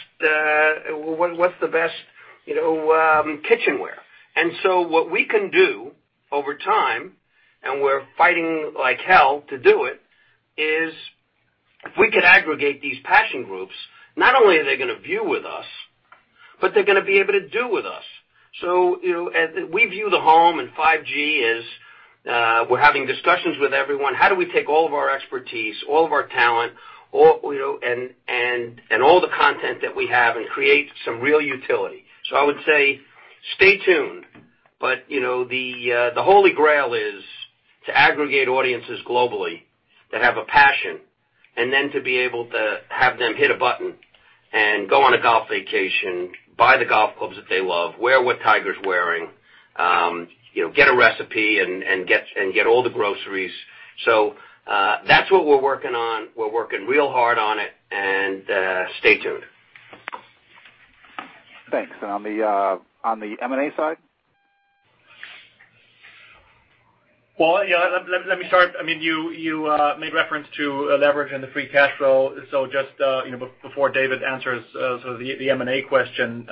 kitchenware. What we can do over time, and we're fighting like hell to do it, is if we could aggregate these passion groups, not only are they going to view with us, but they're going to be able to do with us. We view the home and 5G as we're having discussions with everyone. How do we take all of our expertise, all of our talent, and all the content that we have and create some real utility? I would say stay tuned. The holy grail is to aggregate audiences globally that have a passion, and then to be able to have them hit a button and go on a golf vacation, buy the golf clubs that they love, wear what Tiger's wearing, get a recipe and get all the groceries. That's what we're working on. We're working real hard on it, and stay tuned. Thanks. On the M&A side? Well, yeah. Let me start. You made reference to leverage and the free cash flow. Just before David answers the M&A question,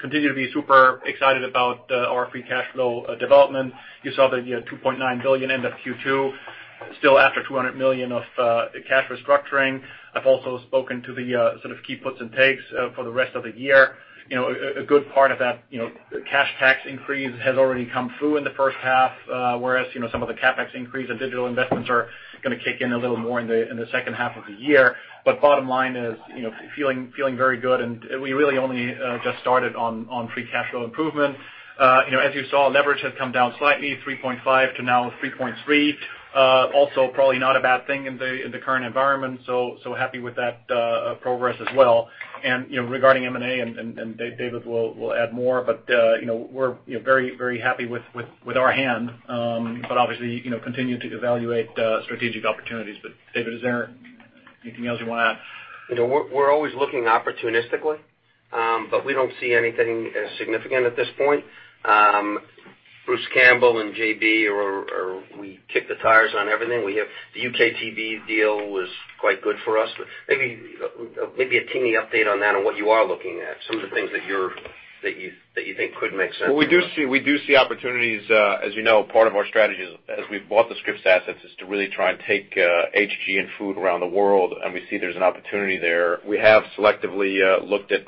continue to be super excited about our free cash flow development. You saw the $2.9 billion end of Q2, still after $200 million of cash restructuring. I've also spoken to the sort of key puts and takes for the rest of the year. A good part of that cash tax increase has already come through in the first half, whereas some of the CapEx increase and digital investments are going to kick in a little more in the second half of the year. Bottom line is feeling very good, and we really only just started on free cash flow improvement. As you saw, leverage has come down slightly, 3.5 to now 3.3. Also probably not a bad thing in the current environment. So happy with that progress as well. Regarding M&A, and David will add more, but we're very happy with our hand. Obviously, continue to evaluate strategic opportunities. David, is there anything else you want to add? We're always looking opportunistically, we don't see anything significant at this point. Bruce Campbell and JB, we kick the tires on everything. The UKTV deal was quite good for us. Maybe a teeny update on that, on what you are looking at, some of the things that you think could make sense. We do see opportunities. As you know, part of our strategy as we've bought the Scripps assets, is to really try and take HGTV and Food around the world, and we see there's an opportunity there. We have selectively looked at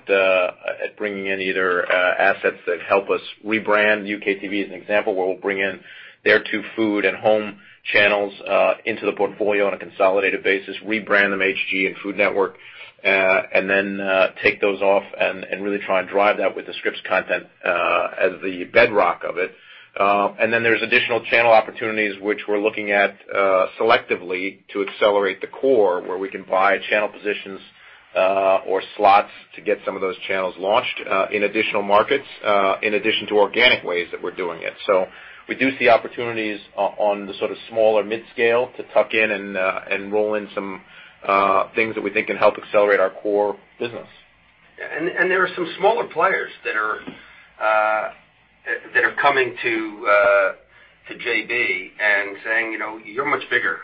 bringing in either assets that help us rebrand. UKTV is an example where we'll bring in their two food and home channels into the portfolio on a consolidated basis, rebrand them HGTV and Food Network, and then take those off and really try and drive that with the Scripps content as the bedrock of it. There's additional channel opportunities which we're looking at selectively to accelerate the core, where we can buy channel positions or slots to get some of those channels launched in additional markets, in addition to organic ways that we're doing it. We do see opportunities on the sort of smaller mid-scale to tuck in and roll in some things that we think can help accelerate our core business. Yeah. There are some smaller players that are coming to J.B. and saying, "You're much bigger.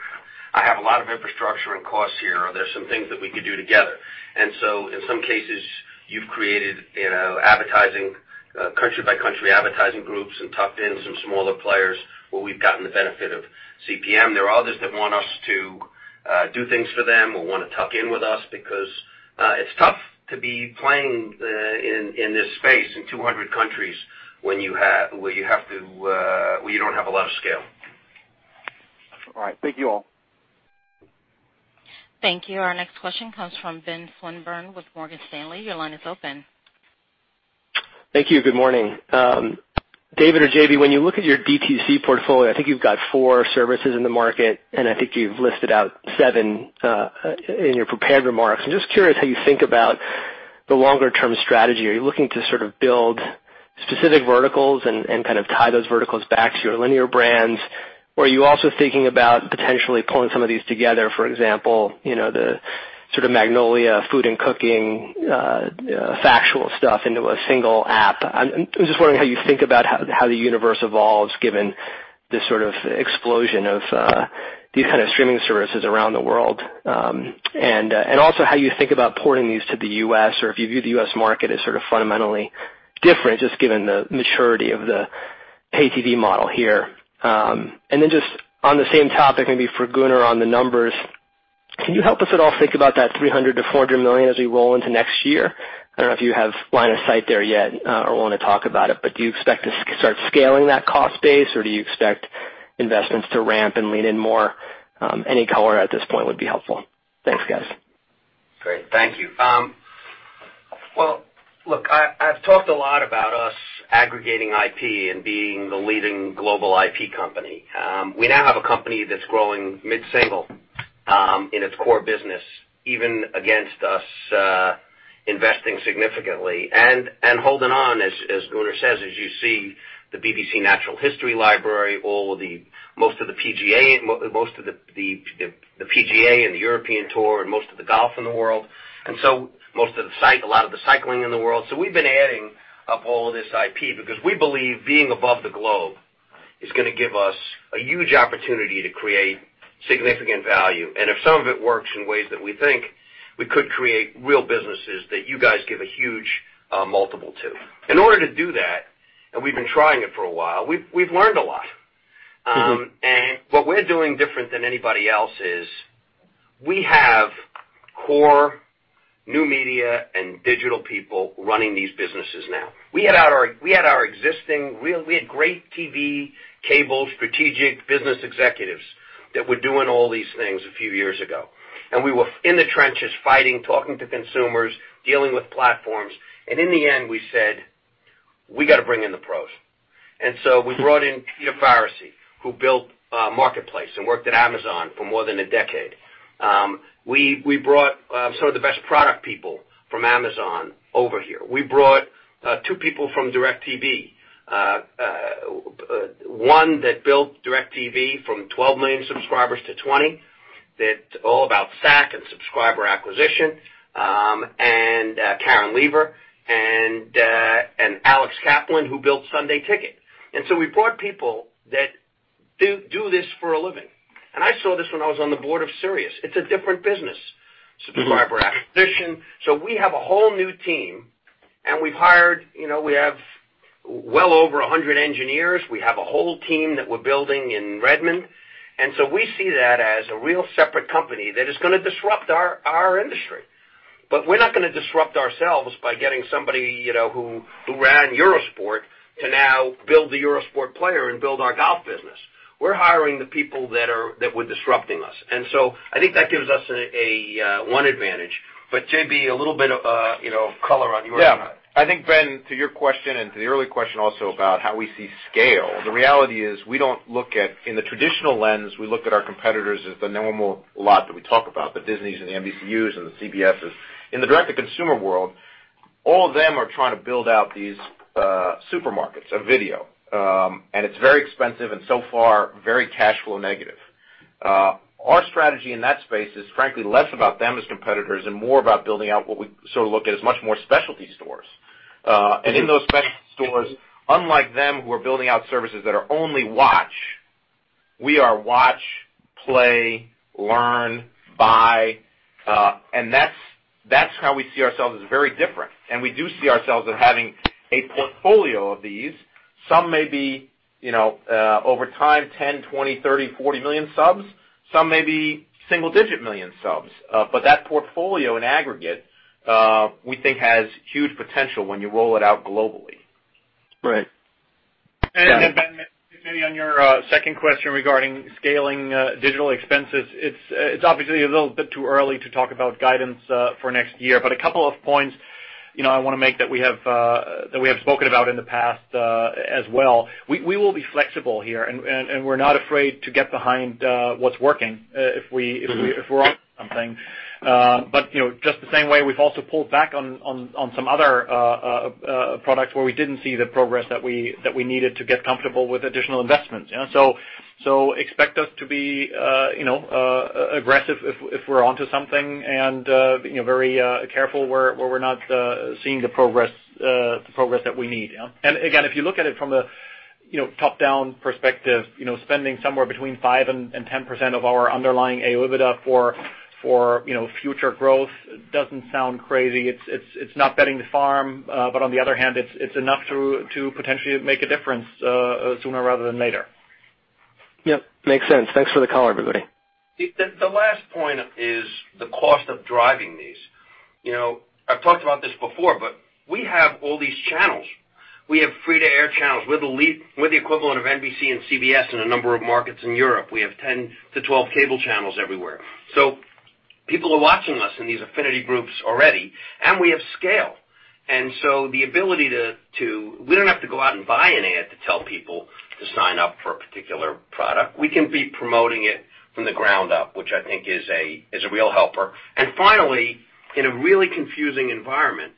I have a lot of infrastructure and costs here. Are there some things that we could do together?" In some cases, you've created country by country advertising groups and tucked in some smaller players where we've gotten the benefit of CPM. There are others that want us to do things for them or want to tuck in with us because it's tough to be playing in this space in 200 countries when you don't have a lot of scale. All right. Thank you all. Thank you. Our next question comes from Benjamin Swinburne with Morgan Stanley. Your line is open. Thank you. Good morning. David or J.B., when you look at your DTC portfolio, I think you've got four services in the market, and I think you've listed out seven in your prepared remarks. I'm just curious how you think about the longer term strategy. Are you looking to sort of build specific verticals and kind of tie those verticals back to your linear brands? Are you also thinking about potentially pulling some of these together, for example, the sort of Magnolia food and cooking factual stuff into a single app? I'm just wondering how you think about how the universe evolves given this sort of explosion of these kind of streaming services around the world. Also how you think about porting these to the U.S. or if you view the U.S. market as sort of fundamentally different, just given the maturity of the pay TV model here. Just on the same topic, maybe for Gunnar on the numbers, can you help us at all think about that $300 million to $400 million as we roll into next year? I don't know if you have line of sight there yet or want to talk about it, but do you expect to start scaling that cost base or do you expect investments to ramp and lean in more? Any color at this point would be helpful. Thanks, guys. Great. Thank you. Well, look, I've talked a lot about us aggregating IP and being the leading global IP company. We now have a company that's growing mid-single in its core business, even against us investing significantly and holding on, as Gunnar says, as you see the BBC Natural History Library, most of the PGA and the European Tour, and most of the golf in the world, A lot of the cycling in the world. We've been adding up all of this IP because we believe being above the globe is going to give us a huge opportunity to create significant value. If some of it works in ways that we think we could create real businesses that you guys give a huge multiple to. In order to do that, and we've been trying it for a while, we've learned a lot. What we're doing different than anybody else is we have core new media and digital people running these businesses now. We had great TV cable strategic business executives that were doing all these things a few years ago. We were in the trenches fighting, talking to consumers, dealing with platforms. In the end, we said, "We got to bring in the pros." We brought in Peter Faricy, who built Marketplace and worked at Amazon for more than a decade. We brought some of the best product people from Amazon over here. We brought two people from DirecTV. One that built DirecTV from 12 million subscribers to 20, that's all about SAC and subscriber acquisition, and Karen Lever and Alex Kaplan, who built Sunday Ticket. We brought people that do this for a living. I saw this when I was on the board of Sirius. It's a different business, subscriber acquisition. We have a whole new team, we have well over 100 engineers. We have a whole team that we're building in Redmond. We see that as a real separate company that is going to disrupt our industry. We're not going to disrupt ourselves by getting somebody who ran Eurosport to now build the Eurosport Player and build our golf business. We're hiring the people that were disrupting us. I think that gives us one advantage. J.B., a little bit of color on your end. Yeah. I think, Ben, to your question and to the earlier question also about how we see scale, the reality is we don't look at in the traditional lens, we look at our competitors as the normal lot that we talk about, the Disneys and the NBCUs and the CBSes. In the direct-to-consumer world, all of them are trying to build out these supermarkets of video. It's very expensive and so far, very cash flow negative. Our strategy in that space is frankly, less about them as competitors and more about building out what we sort of look at as much more specialty stores. In those specialty stores, unlike them who are building out services that are only watch, we are watch, play, learn, buy, and that's how we see ourselves as very different. We do see ourselves as having a portfolio of these. Some may be over time, 10, 20, 30, 40 million subs. Some may be single-digit million subs. That portfolio in aggregate, we think has huge potential when you roll it out globally. Right. Ben, maybe on your second question regarding scaling digital expenses, it's obviously a little bit too early to talk about guidance for next year. A couple of points I want to make that we have spoken about in the past as well. We will be flexible here, and we're not afraid to get behind what's working if we're onto something. Just the same way, we've also pulled back on some other products where we didn't see the progress that we needed to get comfortable with additional investments. Expect us to be aggressive if we're onto something and very careful where we're not seeing the progress that we need. Again, if you look at it from a top-down perspective, spending somewhere between 5% and 10% of our underlying OIBDA for future growth doesn't sound crazy. It's not betting the farm. On the other hand, it's enough to potentially make a difference sooner rather than later. Yep. Makes sense. Thanks for the color, everybody. The last point is the cost of driving these. I've talked about this before. We have all these channels. We have free to air channels. We're the equivalent of NBC and CBS in a number of markets in Europe. We have 10 to 12 cable channels everywhere. People are watching us in these affinity groups already, and we have scale. We don't have to go out and buy an ad to tell people to sign up for a particular product. We can be promoting it from the ground up, which I think is a real helper. Finally, in a really confusing environment,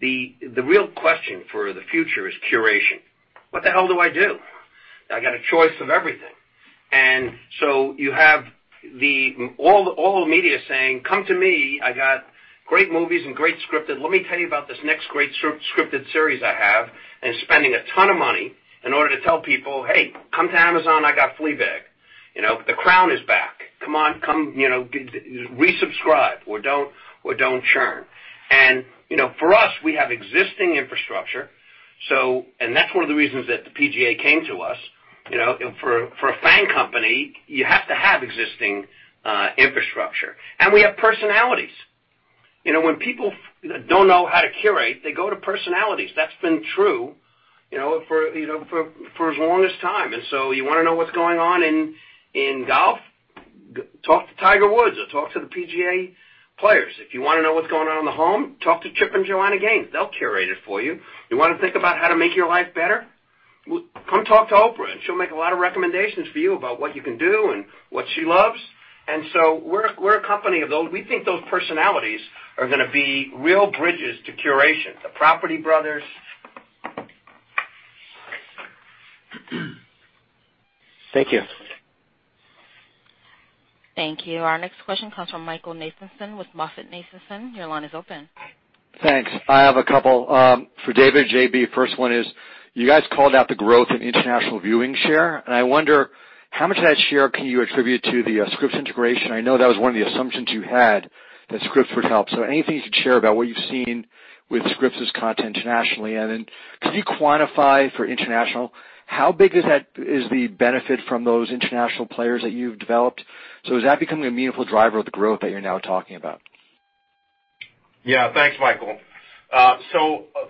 the real question for the future is curation. What the hell do I do? I got a choice of everything. You have all the media saying, "Come to me, I got great movies and great scripted. Let me tell you about this next great scripted series I have," and spending a ton of money in order to tell people, "Hey, come to Amazon, I got 'Fleabag.' 'The Crown' is back. Come on, resubscribe, or don't churn." For us, we have existing infrastructure. That's one of the reasons that the PGA came to us. For a fan company, you have to have existing infrastructure. We have personalities. When people don't know how to curate, they go to personalities. That's been true for as long as time. You want to know what's going on in golf? Talk to Tiger Woods or talk to the PGA players. If you want to know what's going on in the home, talk to Chip and Joanna Gaines. They'll curate it for you. You want to think about how to make your life better? Come talk to Oprah, and she'll make a lot of recommendations for you about what you can do and what she loves. We're a company of those. We think those personalities are going to be real bridges to curation. The Property Brothers. Thank you. Thank you. Our next question comes from Michael Nathanson with MoffettNathanson. Your line is open. Thanks. I have a couple for David and J.B. First one is, you guys called out the growth in international viewing share, and I wonder, how much of that share can you attribute to the Scripps integration? I know that was one of the assumptions you had that Scripps would help. Anything you could share about what you've seen with Scripps's content internationally? Could you quantify for international, how big is the benefit from those international players that you've developed? Is that becoming a meaningful driver of the growth that you're now talking about? Yeah. Thanks, Michael.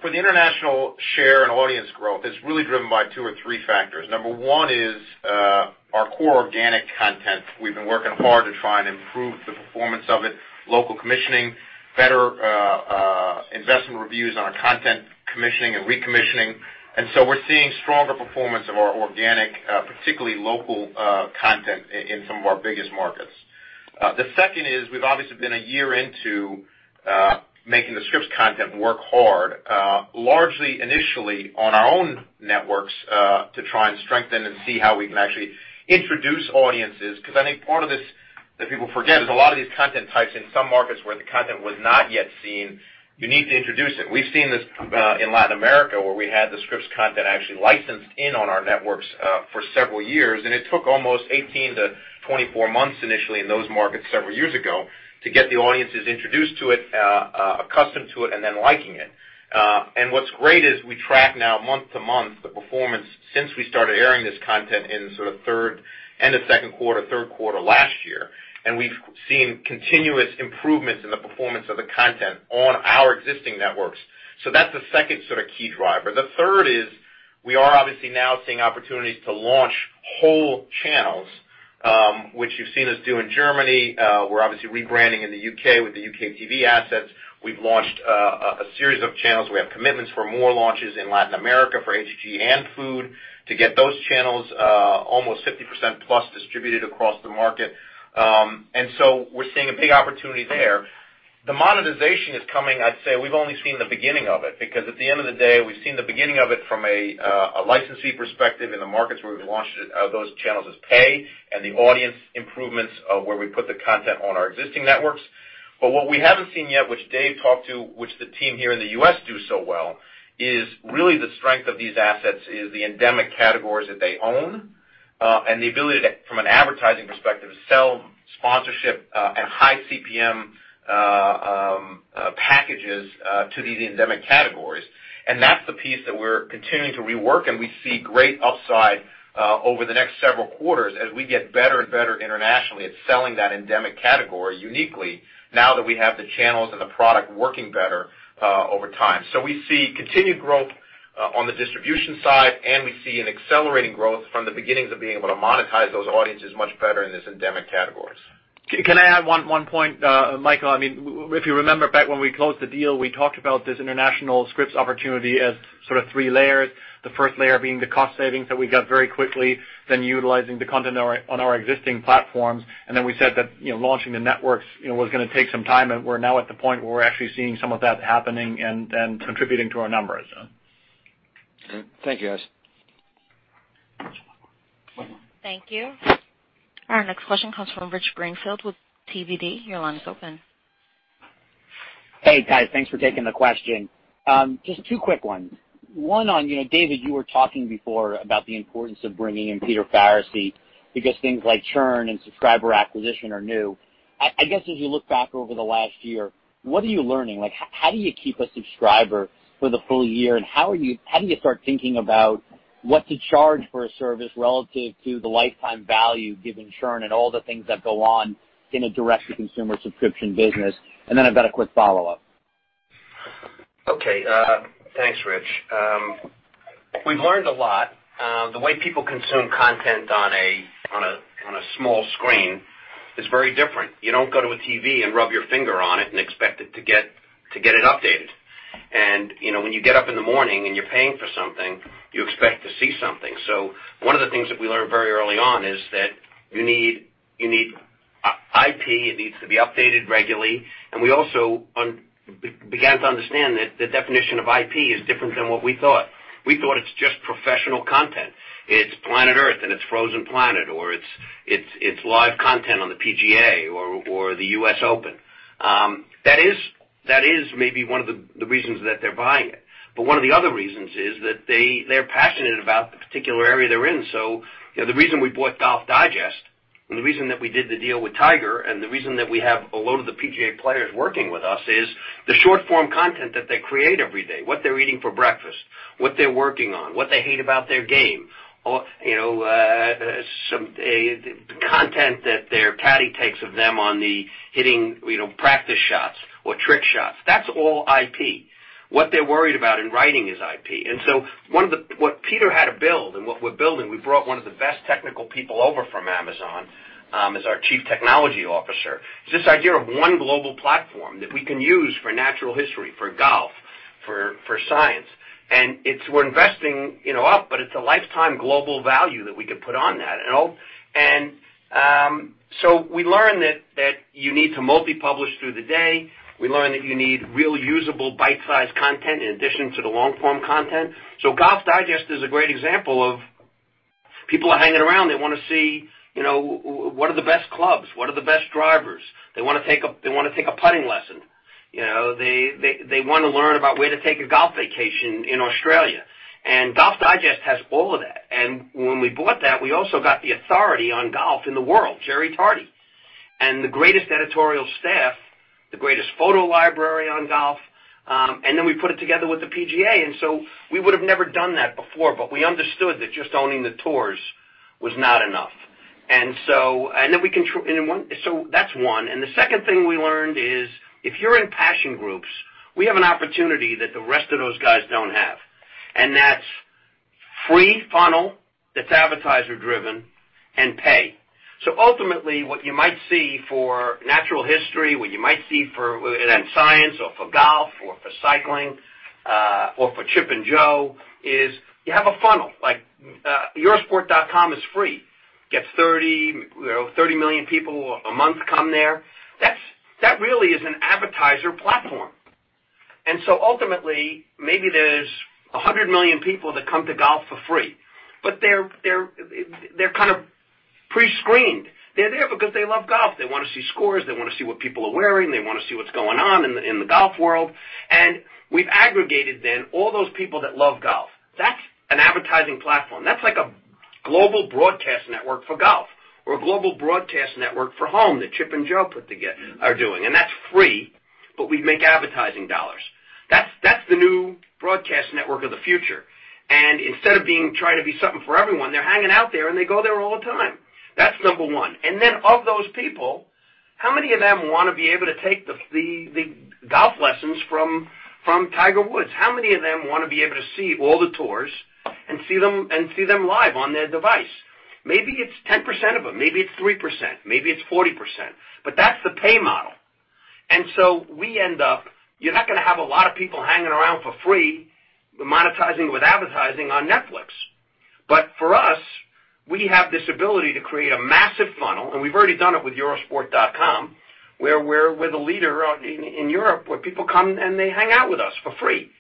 For the international share and audience growth, it's really driven by two or three factors. Number one is our core organic content. We've been working hard to try and improve the performance of it, local commissioning, better investment reviews on our content commissioning and recommissioning. We're seeing stronger performance of our organic, particularly local content in some of our biggest markets. The second is we've obviously been a year into making the Scripps content work hard, largely initially on our own networks, to try and strengthen and see how we can actually introduce audiences. Because I think part of this that people forget is a lot of these content types in some markets where the content was not yet seen, you need to introduce it. We've seen this in Latin America, where we had the Scripps content actually licensed in on our networks for several years, and it took almost 18 to 24 months initially in those markets several years ago to get the audiences introduced to it, accustomed to it, and then liking it. What's great is we track now month-to-month the performance since we started airing this content in sort of end of second quarter, third quarter last year. We've seen continuous improvements in the performance of the content on our existing networks. That's the second sort of key driver. The third is we are obviously now seeing opportunities to launch whole channels, which you've seen us do in Germany. We're obviously rebranding in the U.K. with the UKTV assets. We've launched a series of channels. We have commitments for more launches in Latin America for HGTV and Food to get those channels almost 50% plus distributed across the market. We're seeing a big opportunity there. The monetization is coming, I'd say we've only seen the beginning of it, because at the end of the day, we've seen the beginning of it from a licensee perspective in the markets where we've launched those channels as pay and the audience improvements where we put the content on our existing networks. What we haven't seen yet, which Dave talked to, which the team here in the U.S. do so well, is really the strength of these assets is the endemic categories that they own, and the ability to, from an advertising perspective, sell sponsorship at high CPM. That's the piece that we're continuing to rework, and we see great upside over the next several quarters as we get better and better internationally at selling that endemic category uniquely now that we have the channels and the product working better over time. We see continued growth on the distribution side, and we see an accelerating growth from the beginnings of being able to monetize those audiences much better in these endemic categories. Can I add one point, Michael? If you remember back when we closed the deal, we talked about this international Scripps opportunity as sort of three layers. The first layer being the cost savings that we got very quickly, then utilizing the content on our existing platforms, and then we said that launching the networks was going to take some time. We're now at the point where we're actually seeing some of that happening and contributing to our numbers. Thank you, guys. Thank you. Our next question comes from Rich Greenfield with [BTIG]. Your line is open. Hey, guys. Thanks for taking the question. Just two quick ones. One on, David, you were talking before about the importance of bringing in Peter Faricy because things like churn and subscriber acquisition are new. I guess as you look back over the last year, what are you learning? How do you keep a subscriber for the full year, and how do you start thinking about what to charge for a service relative to the lifetime value given churn and all the things that go on in a direct-to-consumer subscription business? I've got a quick follow-up. Thanks, Rich. We've learned a lot. The way people consume content on a small screen is very different. You don't go to a TV and rub your finger on it and expect it to get updated. When you get up in the morning and you're paying for something, you expect to see something. One of the things that we learned very early on is that you need IP. It needs to be updated regularly. We also began to understand that the definition of IP is different than what we thought. We thought it's just professional content. It's Planet Earth, and it's Frozen Planet, or it's live content on the PGA or the US Open. That is maybe one of the reasons that they're buying it. One of the other reasons is that they're passionate about the particular area they're in. The reason we bought Golf Digest and the reason that we did the deal with Tiger, and the reason that we have a load of the PGA players working with us is the short-form content that they create every day, what they're eating for breakfast, what they're working on, what they hate about their game. The content that their caddie takes of them on the hitting practice shots or trick shots. That's all IP. What they're worried about in writing is IP. What Peter had to build and what we're building, we brought one of the best technical people over from Amazon as our chief technology officer. It's this idea of one global platform that we can use for natural history, for golf, for science. It's worth investing up, but it's a lifetime global value that we could put on that. We learned that you need to multi-publish through the day. We learned that you need really usable bite-size content in addition to the long-form content. Golf Digest is a great example of people are hanging around. They want to see what are the best clubs, what are the best drivers. They want to take a putting lesson. They want to learn about where to take a golf vacation in Australia. Golf Digest has all of that. When we bought that, we also got the authority on golf in the world, Jerry Tarde, and the greatest editorial staff, the greatest photo library on golf. We put it together with the PGA. We would have never done that before, but we understood that just owning the tours was not enough. That's one. The second thing we learned is if you're in passion groups, we have an opportunity that the rest of those guys don't have, and that's free funnel that's advertiser-driven and pay. Ultimately, what you might see for natural history, what you might see for science or for golf or for cycling, or for Chip and Jo is you have a funnel. Like eurosport.com is free. Gets 30 million people a month come there. That really is an advertiser platform. Ultimately, maybe there's 100 million people that come to golf for free, but they're kind of pre-screened. They're there because they love golf. They want to see scores. They want to see what people are wearing. They want to see what's going on in the golf world. We've aggregated then all those people that love golf. That's an advertising platform. That's like a global broadcast network for golf or a global broadcast network for home that Chip and Jo are doing. That's free, but we make advertising dollars. That's the new broadcast network of the future. Instead of trying to be something for everyone, they're hanging out there, and they go there all the time. That's number one. Then of those people, how many of them want to be able to take the golf lessons from Tiger Woods? How many of them want to be able to see all the tours and see them live on their device? Maybe it's 10% of them, maybe it's 3%, maybe it's 40%, but that's the pay model. So we end up, you're not going to have a lot of people hanging around for free, monetizing with advertising on Netflix. For us, we have this ability to create a massive funnel, and we've already done it with eurosport.com, where we're the leader in Europe, where people come and they hang out with us for free.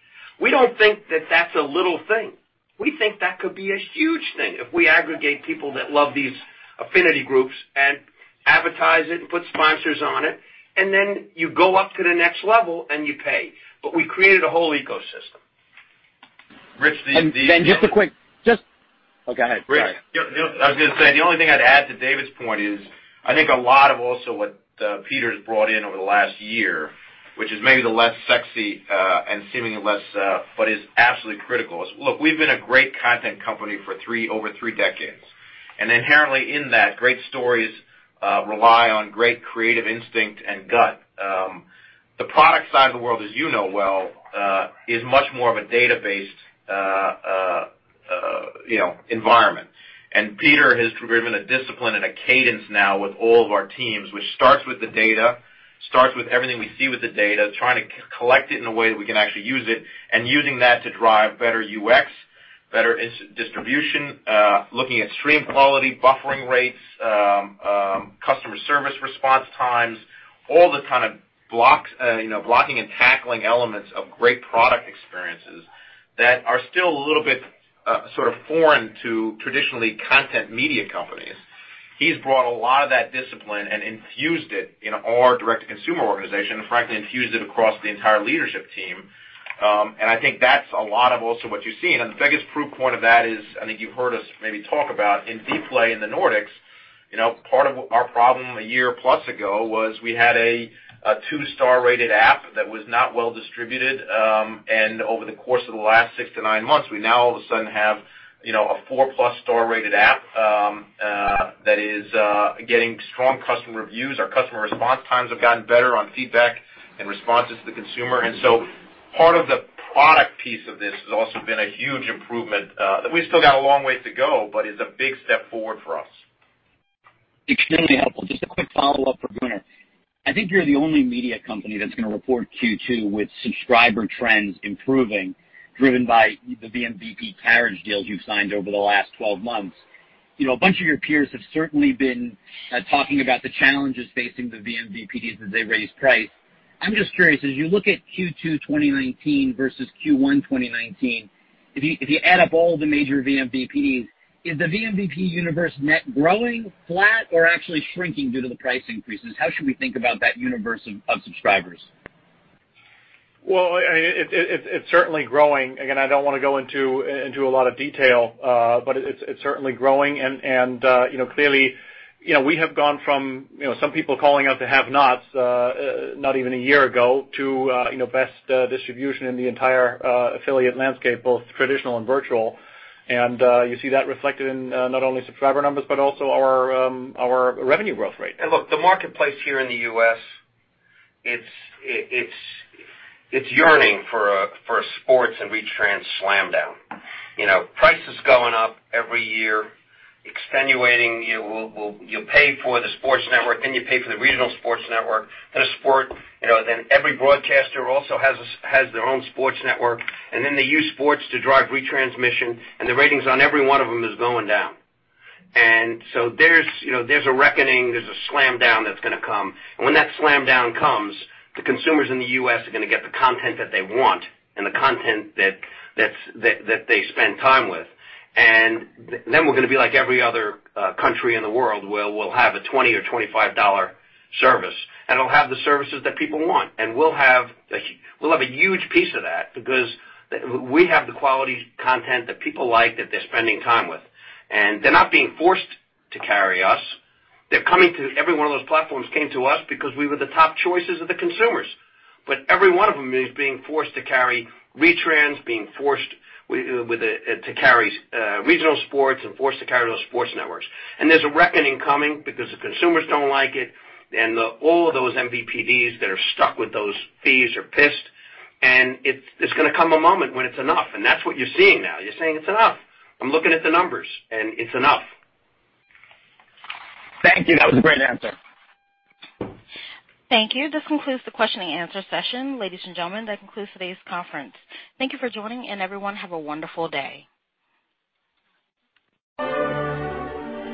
We don't think that that's a little thing. We think that could be a huge thing if we aggregate people that love these affinity groups and advertise it and put sponsors on it, and then you go up to the next level and you pay. We created a whole ecosystem. Rich. Okay, go ahead. Sorry. I was going to say, the only thing I'd add to David's point is, I think a lot of also what Peter's brought in over the last year, which is maybe the less sexy, and seemingly less, but is absolutely critical, is look, we've been a great content company for over three decades. Inherently in that, great stories rely on great creative instinct and gut. The product side of the world, as you know well, is much more of a data-based environment. Peter has driven a discipline and a cadence now with all of our teams, which starts with the data, starts with everything we see with the data, trying to collect it in a way that we can actually use it, and using that to drive better UX, better distribution, looking at stream quality, buffering rates, customer service response times, all the kind of blocking and tackling elements of great product experiences that are still a little bit sort of foreign to traditionally content media companies. He's brought a lot of that discipline and infused it in our direct-to-consumer organization, and frankly, infused it across the entire leadership team. I think that's a lot of also what you're seeing. The biggest proof point of that is, I think you've heard us maybe talk about in Dplay in the Nordics, part of our problem a year-plus ago was we had a two-star rated app that was not well distributed. Over the course of the last six to nine months, we now all of a sudden have a 4+ star rated app, that is getting strong customer reviews. Our customer response times have gotten better on feedback and responses to the consumer. Part of the product piece of this has also been a huge improvement, that we still got a long way to go, but is a big step forward for us. Extremely helpful. Just a quick follow-up for Gunnar. I think you're the only media company that's going to report Q2 with subscriber trends improving driven by the vMVPD carriage deals you've signed over the last 12 months. A bunch of your peers have certainly been talking about the challenges facing the vMVPDs as they raise price. I'm just curious, as you look at Q2 2019 versus Q1 2019, if you add up all the major vMVPDs, is the vMVPD universe net growing, flat, or actually shrinking due to the price increases? How should we think about that universe of subscribers? Well, it's certainly growing. Again, I don't want to go into a lot of detail, but it's certainly growing. Clearly, we have gone from some people calling us the have-nots, not even one year ago, to best distribution in the entire affiliate landscape, both traditional and virtual. You see that reflected in not only subscriber numbers, but also our revenue growth rate. Look, the marketplace here in the U.S., it's yearning for a sports and retrans slam down. Prices going up every year, extenuating, you pay for the sports network, then you pay for the regional sports network, then every broadcaster also has their own sports network, and then they use sports to drive retransmission, and the ratings on every one of them is going down. So there's a reckoning, there's a slam down that's going to come. When that slam down comes, the consumers in the U.S. are going to get the content that they want and the content that they spend time with. Then we're going to be like every other country in the world, where we'll have a $20 or $25 service, and it'll have the services that people want. We'll have a huge piece of that because we have the quality content that people like, that they're spending time with. They're not being forced to carry us. Every one of those platforms came to us because we were the top choices of the consumers. Every one of them is being forced to carry retrans, being forced to carry regional sports and forced to carry those sports networks. There's a reckoning coming because the consumers don't like it, and all of those MVPDs that are stuck with those fees are pissed. It's going to come a moment when it's enough, and that's what you're seeing now. You're saying, "It's enough. I'm looking at the numbers, and it's enough. Thank you. That was a great answer. Thank you. This concludes the questioning and answer session. Ladies and gentlemen, that concludes today's conference. Thank you for joining, and everyone have a wonderful day.